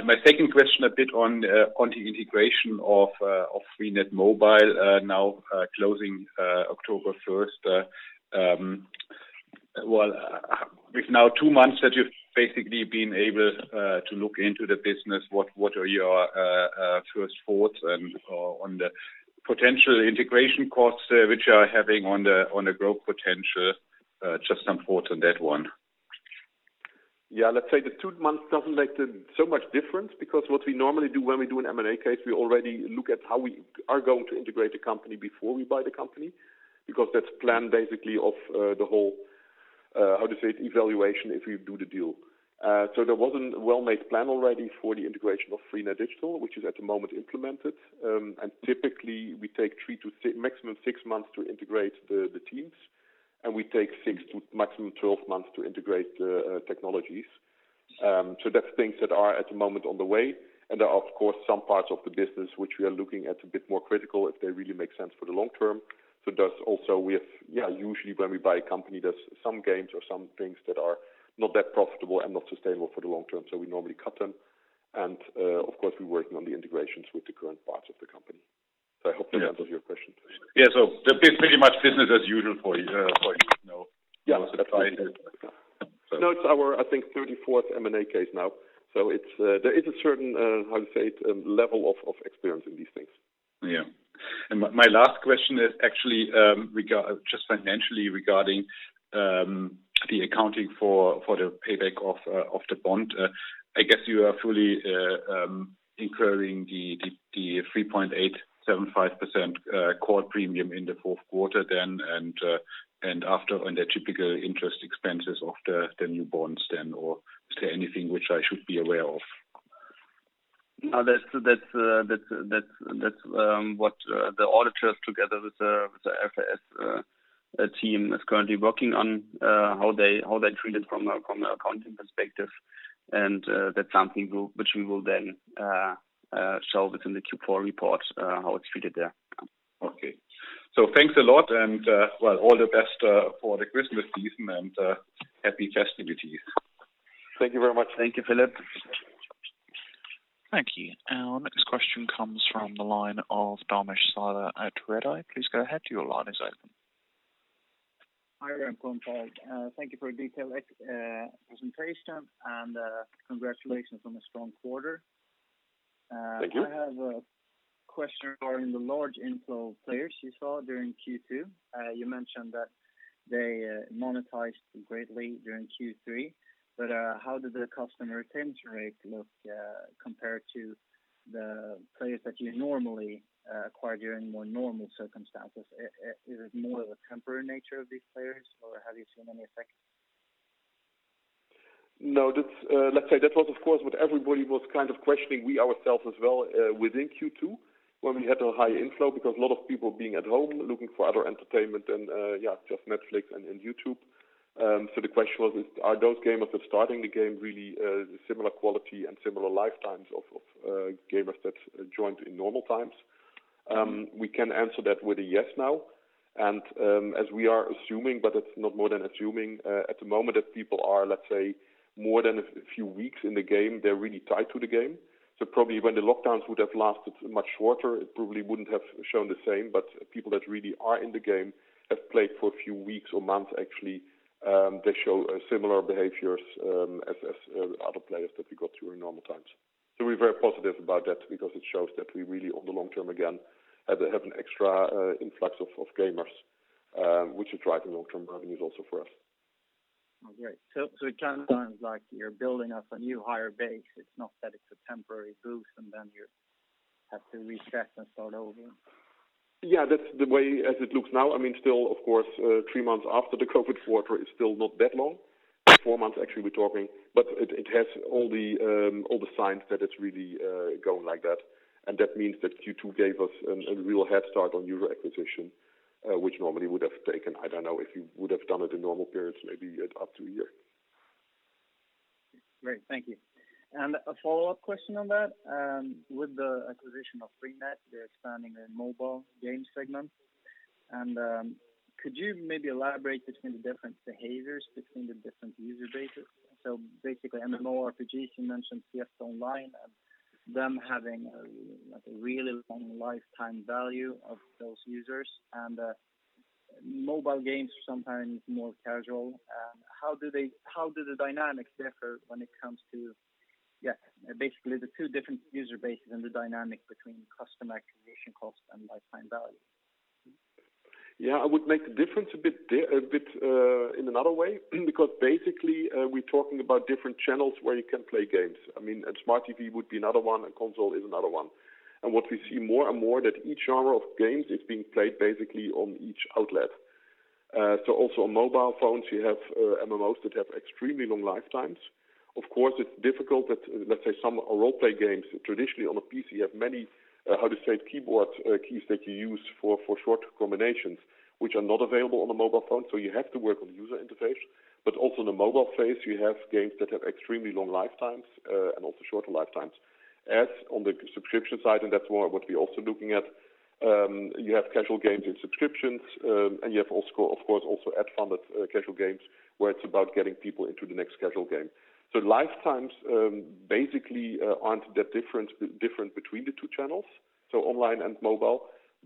My second question a bit on the integration of Freenet Digital now closing October 1st. Well, with now two months that you've basically been able to look into the business, what are your first thoughts and on the potential integration costs which are having on the growth potential? Just some thoughts on that one. Let's say the two months doesn't make so much difference, because what we normally do when we do an M&A case, we already look at how we are going to integrate the company before we buy the company, because that's planned basically of the whole, how to say it, evaluation, if we do the deal. There was a well-made plan already for the integration of Freenet Digital, which is at the moment implemented. Typically we take three to maximum six months to integrate the teams, and we take six to maximum 12 months to integrate the technologies. That's things that are at the moment on the way, and there are, of course, some parts of the business which we are looking at a bit more critical if they really make sense for the long term. There's also usually when we buy a company, there's some games or some things that are not that profitable and not sustainable for the long term, so we normally cut them. Of course, we're working on the integrations with the current parts of the company. I hope that answers your question. Yeah. It's pretty much business as usual for you now. Yeah. No, it's our, I think, 34th M&A case now. There is a certain, how to say it, level of experience in these things. Yeah. My last question is actually just financially regarding the accounting for the payback of the bond. I guess you are fully incurring the 3.875% core premium in the fourth quarter then, and after on the typical interest expenses of the new bonds then, or is there anything which I should be aware of? That's what the auditors together with the FSS team is currently working on how they treat it from an accounting perspective. That's something which we will then show within the Q4 report, how it's treated there. Okay. Thanks a lot, well, all the best for the Christmas season and happy festivities. Thank you very much. Thank you, Philipp. Thank you. Our next question comes from the line of Danesh Zare at Redeye. Please go ahead. Your line is open. Hi Remco and Paul. Thank you for a detailed presentation and congratulations on a strong quarter. Thank you. I have a question regarding the large inflow of players you saw during Q2. You mentioned that they monetized greatly during Q3. How did the customer retention rate look compared to the players that you normally acquire during more normal circumstances? Is it more of a temporary nature of these players, or have you seen any effect? No. That was, of course, what everybody was kind of questioning we ourselves as well within Q2 when we had a high inflow because a lot of people being at home looking for other entertainment than just Netflix and YouTube. The question was, are those gamers that's starting the game really similar quality and similar lifetimes of gamers that joined in normal times? We can answer that with a yes now. As we are assuming, but it's not more than assuming at the moment that people are more than a few weeks in the game, they're really tied to the game. Probably when the lockdowns would have lasted much shorter, it probably wouldn't have shown the same. People that really are in the game have played for a few weeks or months, actually, they show similar behaviors as other players that we got during normal times. We're very positive about that because it shows that we really on the long term, again, have an extra influx of gamers, which should drive the long-term revenues also for us. Oh, great. It kind of sounds like you're building up a new higher base. It's not that it's a temporary boost and then you have to reset and start over. Yeah, that's the way as it looks now. I mean, still, of course, three months after the COVID quarter is still not that long. Four months, actually, we're talking. It has all the signs that it's really going like that. That means that Q2 gave us a real head start on user acquisition, which normally would have taken, I don't know, if you would have done it in normal periods, maybe up to one year. Great. Thank you. A follow-up question on that. With the acquisition of Freenet, they're expanding their mobile game segment. Could you maybe elaborate between the different behaviors between the different user bases? Basically, MMORPGs, you mentioned Fiesta Online and them having a really long lifetime value of those users and mobile games sometimes more casual. How do the dynamics differ when it comes to, basically, the two different user bases and the dynamic between customer acquisition cost and lifetime value? Yeah, I would make the difference a bit in another way, because basically, we're talking about different channels where you can play games. Smart TV would be another one, console is another one. What we see more and more that each genre of games is being played basically on each outlet. Also on mobile phones, you have MMOs that have extremely long lifetimes. Of course, it's difficult. Let's say some role-play games, traditionally on a PC, you have many, how to say, keyboard keys that you use for short combinations which are not available on a mobile phone, so you have to work on user interface. Also on a mobile phone, you have games that have extremely long lifetimes, and also shorter lifetimes. As on the subscription side, and that's what we're also looking at, you have casual games in subscriptions, and you have of course also ad-funded casual games where it's about getting people into the next casual game. Lifetimes basically aren't that different between the two channels, online and mobile.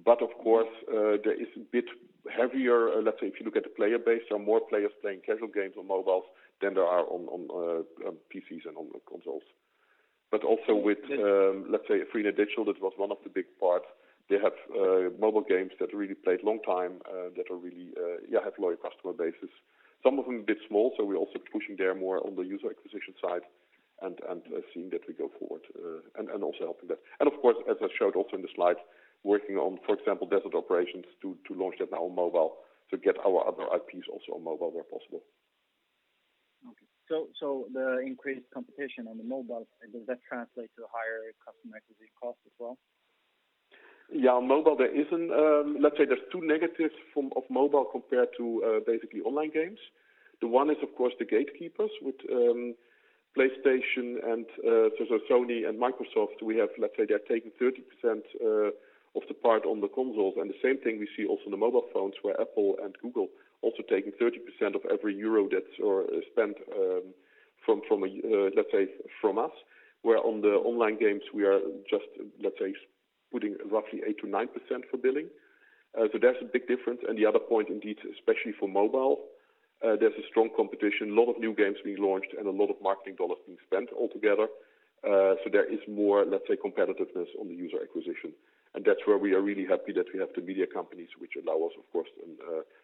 Of course, there is a bit heavier, let's say if you look at the player base, there are more players playing casual games on mobiles than there are on PCs and on consoles. Also with, let's say, Freenet Digital, that was one of the big parts. They have mobile games that are really played long time, that really have loyal customer bases. Some of them a bit small, so we're also pushing there more on the user acquisition side and seeing that we go forward, and also helping that. Of course, as I showed also in the slide, working on, for example, Desert Operations to launch that now on mobile to get our other IPs also on mobile where possible. Okay. The increased competition on the mobile, does that translate to higher customer acquisition cost as well? Yeah. On mobile, let's say there's two negatives of mobile compared to basically online games. The one is, of course, the gatekeepers with PlayStation and Sony and Microsoft. They're taking 30% of the part on the consoles. The same thing we see also on the mobile phones where Apple and Google also taking 30% of every euro that's spent from us, where on the online games, we are just putting roughly 8%-9% for billing. That's a big difference. The other point, indeed, especially for mobile, there's a strong competition. A lot of new games being launched and a lot of marketing dollar being spent altogether. There is more, let's say, competitiveness on the user acquisition. That's where we are really happy that we have the media companies which allow us, of course,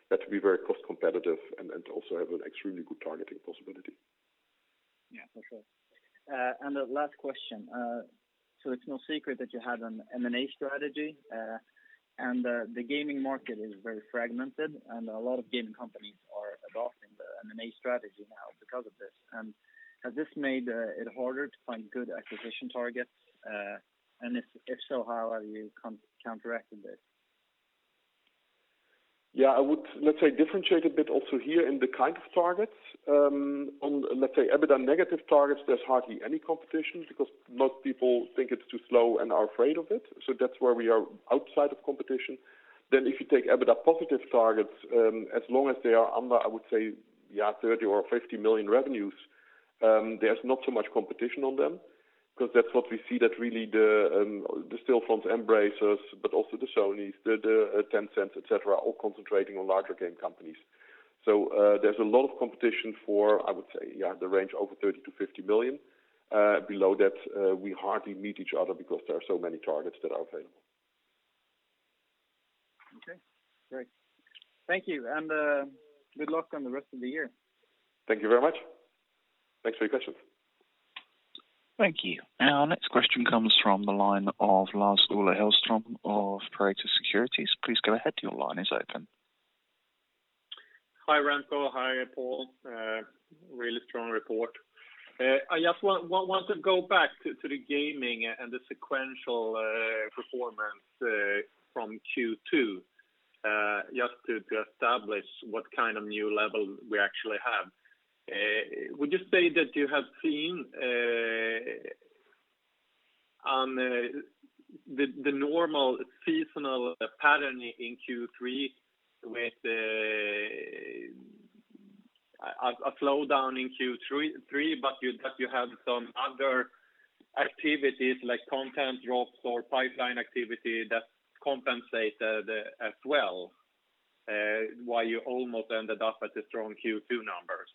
that to be very cost competitive and to also have an extremely good targeting possibility. Yeah. For sure. The last question. It's no secret that you have an M&A strategy. The gaming market is very fragmented and a lot of gaming companies are adopting the M&A strategy now because of this. Has this made it harder to find good acquisition targets? If so, how are you counteracting this? Yeah, I would, let's say, differentiate a bit also here in the kind of targets. Let's say, EBITDA negative targets, there's hardly any competition because most people think it's too slow and are afraid of it. That's where we are outside of competition. If you take EBITDA positive targets, as long as they are under, I would say, yeah, 30 million or 50 million revenues, there's not so much competition on them because that's what we see that really the Stillfronts, Embracers, but also the Sonys, the Tencents, et cetera, all concentrating on larger game companies. There's a lot of competition for, I would say, the range over 30 million-50 million. Below that, we hardly meet each other because there are so many targets that are available. Okay, great. Thank you. Good luck on the rest of the year. Thank you very much. Thanks for your questions. Thank you. Our next question comes from the line of Lars-Ola Hellström of Pareto Securities. Please go ahead. Hi, Remco. Hi, Paul. Really strong report. I just want to go back to the gaming and the sequential performance from Q2, just to establish what kind of new level we actually have. Would you say that you have seen on the normal seasonal pattern in Q3 with a slowdown in Q3, but that you have some other activities like content drops or pipeline activity that compensated as well, why you almost ended up at the strong Q2 numbers?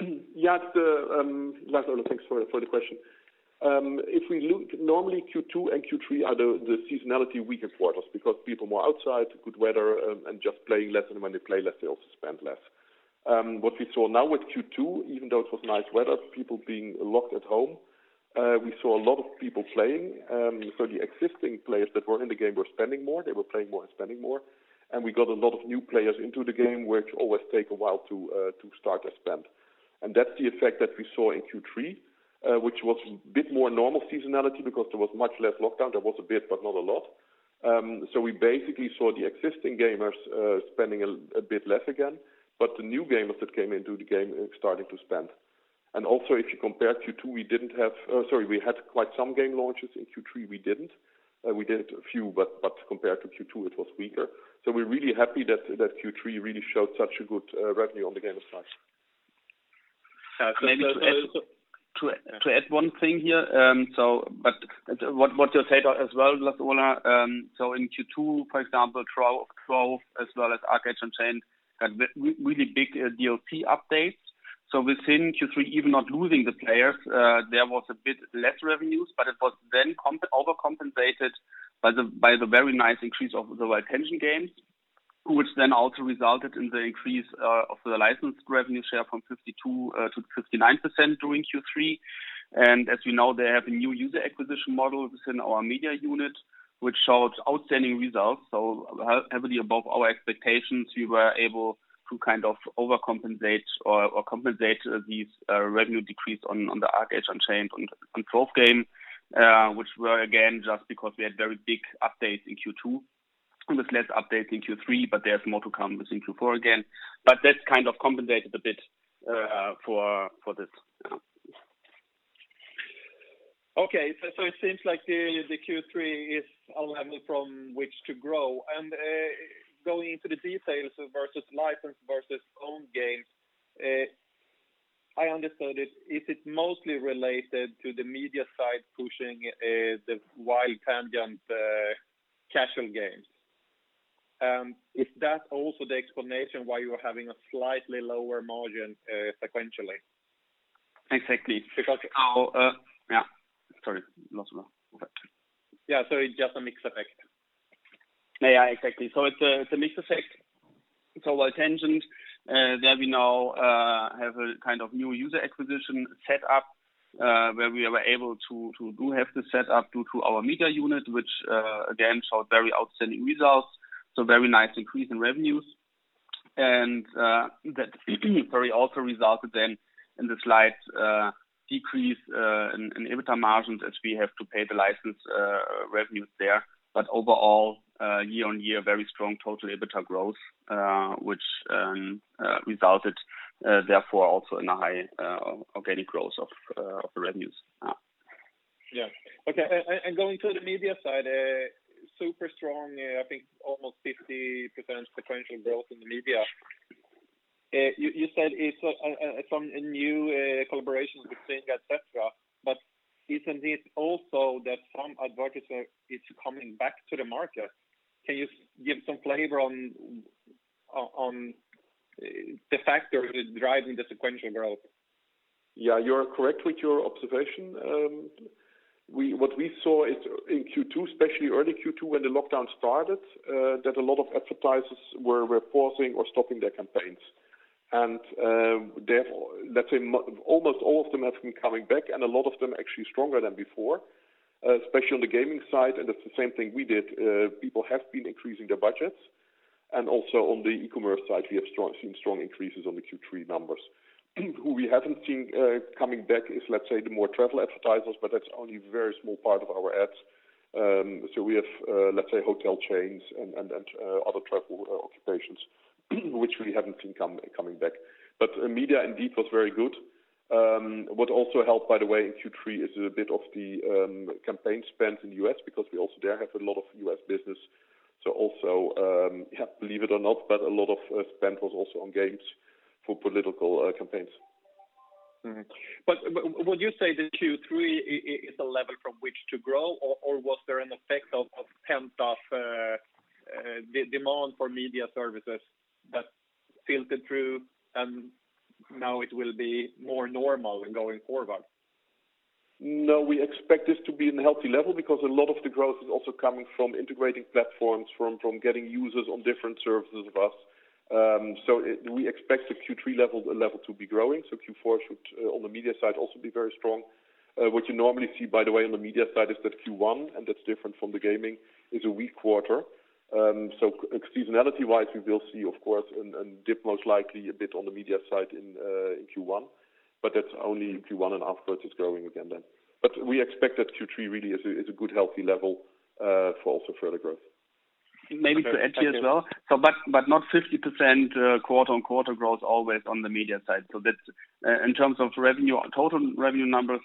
Yes. Lars-Ola, thanks for the question. If we look, normally Q2 and Q3 are the seasonality weakest quarters because people more outside, good weather and just playing less. When they play less, they also spend less. What we saw now with Q2, even though it was nice weather, people being locked at home, we saw a lot of people playing. The existing players that were in the game were spending more. They were playing more and spending more. We got a lot of new players into the game, which always take a while to start a spend. That's the effect that we saw in Q3, which was a bit more normal seasonality because there was much less lockdown. There was a bit, but not a lot. We basically saw the existing gamers spending a bit less again, but the new gamers that came into the game are starting to spend. Also, if you compare Q2, we had quite some game launches. In Q3, we didn't. We did a few, but compared to Q2, it was weaker. We're really happy that Q3 really showed such good revenue on the gamer side. Maybe to add one thing here. What you said as well, Lars-Ola, in Q2, for example, Trove as well as ArcheAge: Unchained had really big DLC updates. Within Q3, even not losing the players, there was a bit less revenues, but it was then overcompensated by the very nice increase of the WildTangent games, which then also resulted in the increase of the licensed revenue share from 52%-59% during Q3. As you know, they have a new user acquisition model within our media unit, which showed outstanding results. Heavily above our expectations, we were able to overcompensate or compensate these revenue decrease on the ArcheAge: Unchained and Trove game, which were again, just because we had very big updates in Q2 and with less updates in Q3, there is more to come within Q4 again. That compensated a bit for this. It seems like the Q3 is a level from which to grow. Going into the details versus licensed versus owned games, I understood it. Is it mostly related to the media side pushing the WildTangent casual games? Is that also the explanation why you are having a slightly lower margin sequentially? Exactly. Sorry, Lars-Ola. Yeah. It's just a mixed effect. Yeah, exactly. It's a mixed effect. WildTangent, there we now have a kind of new user acquisition setup, where we were able to do 1/2 the setup due to our media unit, which again, showed very outstanding results. Very nice increase in revenues. That also resulted in the slight decrease in EBITDA margins as we have to pay the license revenues there. Overall, year-over-year, very strong total EBITDA growth, which resulted therefore also in a high organic growth of revenues. Yeah. Okay. Going to the media side, super strong, I think almost 50% sequential growth in the media. You said it's from a new collaboration with Bing, et cetera, but isn't it also that some advertiser is coming back to the market? Can you give some flavor on the factor driving the sequential growth? Yeah, you are correct with your observation. What we saw in Q2, especially early Q2 when the lockdown started, that a lot of advertisers were pausing or stopping their campaigns. Let's say almost all of them have been coming back, and a lot of them actually stronger than before, especially on the gaming side, and that's the same thing we did. People have been increasing their budgets. Also on the e-commerce side, we have seen strong increases on the Q3 numbers. Who we haven't seen coming back is, let's say, the more travel advertisers, but that's only a very small part of our ads. We have, let's say, hotel chains and other travel occupations, which we haven't seen coming back. Media indeed was very good. What also helped, by the way, in Q3 is a bit of the campaign spend in U.S. because we also there have a lot of U.S. business. Also, believe it or not, but a lot of spend was also on games for political campaigns. Would you say that Q3 is a level from which to grow or was there an effect of pent-up demand for media services that filtered through and now it will be more normal going forward? We expect this to be in a healthy level because a lot of the growth is also coming from integrating platforms, from getting users on different services of us. We expect the Q3 level to be growing. Q4 should, on the media side, also be very strong. What you normally see, by the way, on the media side is that Q1, and that's different from the gaming, is a weak quarter. Seasonality-wise, we will see, of course, and dip most likely a bit on the media side in Q1, but that's only Q1, and afterwards it's growing again then. We expect that Q3 really is a good, healthy level for also further growth. Maybe to add here as well. Not 50% quarter-on-quarter growth always on the media side. In terms of total revenue numbers,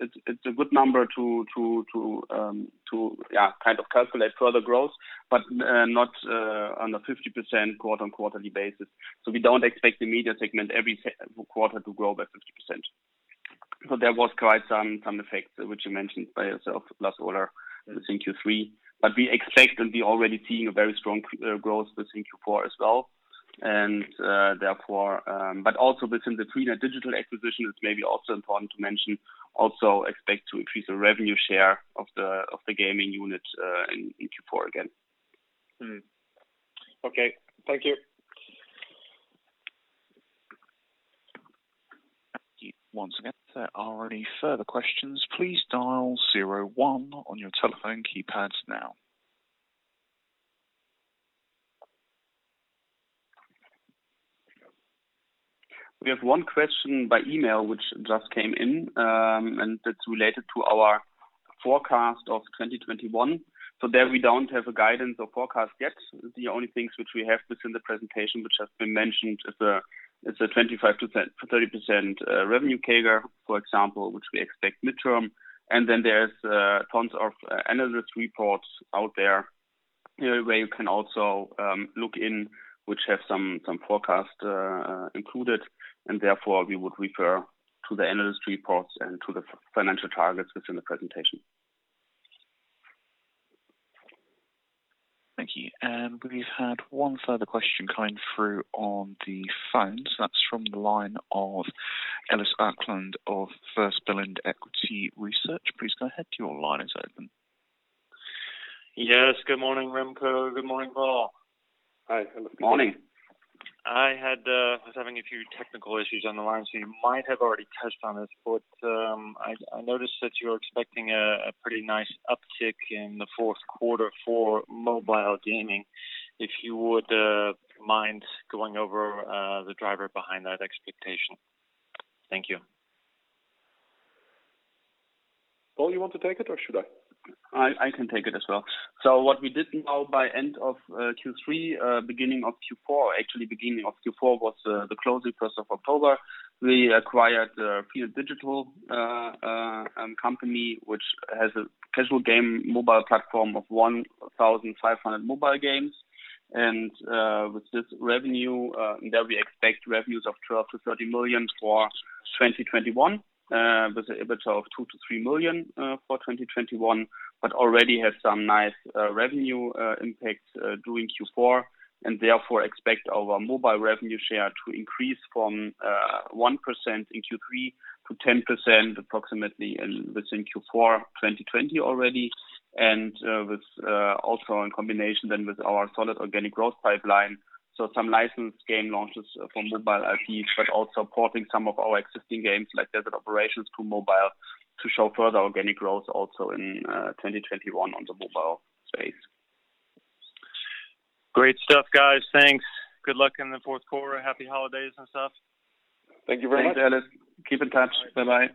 it's a good number to calculate further growth, but not on a 50% quarter on quarterly basis. We don't expect the media segment every quarter to grow by 50%. There was quite some effects, which you mentioned by yourself, Lars-Ola, I think Q3. We expect and we already seeing a very strong growth this in Q4 as well. Also, within the Freenet Digital acquisition, it's maybe also important to mention, also expect to increase the revenue share of the gaming unit in Q4 again. Okay. Thank you. Once again, if there are any further questions, please dial zero one on your telephone keypads now. We have one question by email which just came in, and it's related to our forecast of 2021. There we don't have a guidance or forecast yet. The only things which we have within the presentation which has been mentioned is the 25%-30% revenue CAGR, for example, which we expect midterm. There's tons of analyst reports out there where you can also look in which have some forecast included, and therefore we would refer to the analyst reports and to the financial targets within the presentation. Thank you. We've had one further question coming through on the phone. That's from the line of Ellis Acklin of First Berlin Equity Research. Please go ahead. Your line is open. Yes. Good morning, Remco. Good morning, Paul. Hi, Ellis. Good morning. I was having a few technical issues on the line, so you might have already touched on this, but I noticed that you're expecting a pretty nice uptick in the fourth quarter for mobile gaming. If you would mind going over the driver behind that expectation? Thank you. Paul, you want to take it or should I? I can take it as well. What we did now by end of Q3, beginning of Q4, actually beginning of Q4 was the closing first of October. We acquired Freenet Digital company, which has a casual game mobile platform of 1,500 mobile games. With this revenue, there we expect revenues of 12 million-30 million for 2021. With the EBITDA of 2 million-3 million for 2021, but already have some nice revenue impacts during Q4, and therefore expect our mobile revenue share to increase from 1% in Q3 to 10% approximately and within Q4 2020 already. With also in combination then with our solid organic growth pipeline, some licensed game launches from mobile IP, but also porting some of our existing games like Desert Operations to mobile to show further organic growth also in 2021 on the mobile space. Great stuff, guys. Thanks. Good luck in the fourth quarter. Happy holidays and stuff. Thank you very much. Thanks, Ellis. Keep in touch. Bye-bye.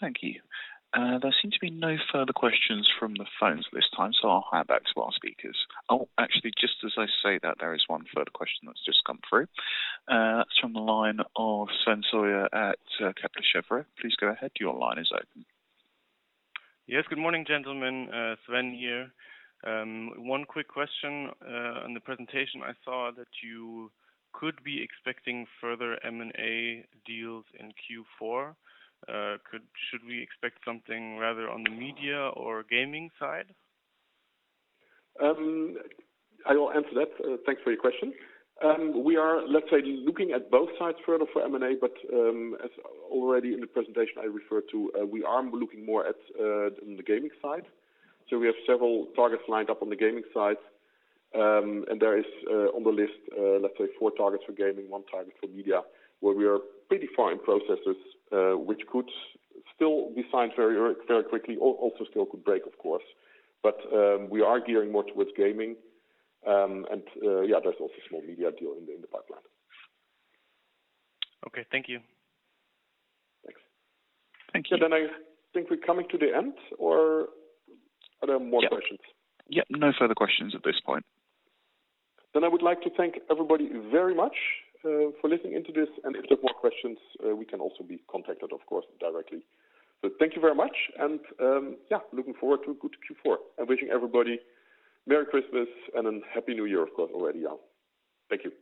Thank you. There seem to be no further questions from the phones at this time, so I'll hand back to our speakers. Oh, actually, just as I say that, there is one further question that's just come through. That's from the line of Sven Sauer at Kepler Cheuvreux. Please go ahead. Your line is open. Yes. Good morning, gentlemen. Sven here. One quick question. On the presentation, I saw that you could be expecting further M&A deals in Q4. Should we expect something rather on the media or gaming side? I will answer that. Thanks for your question. We are, let's say, looking at both sides further for M&A, but as already in the presentation I referred to, we are looking more at in the gaming side. We have several targets lined up on the gaming side. There is, on the list, let's say four targets for gaming, one target for media, where we are pretty far in processes, which could still be signed very quickly, also still could break, of course. We are gearing more towards gaming. There's also a small media deal in the pipeline. Okay. Thank you. Thanks. Thank you. I think we're coming to the end or are there more questions? Yep. No further questions at this point. I would like to thank everybody very much for listening into this. If there's more questions, we can also be contacted, of course, directly. Thank you very much. Yeah, looking forward to a good Q4. Wishing everybody Merry Christmas and a Happy New Year, of course, already. Thank you.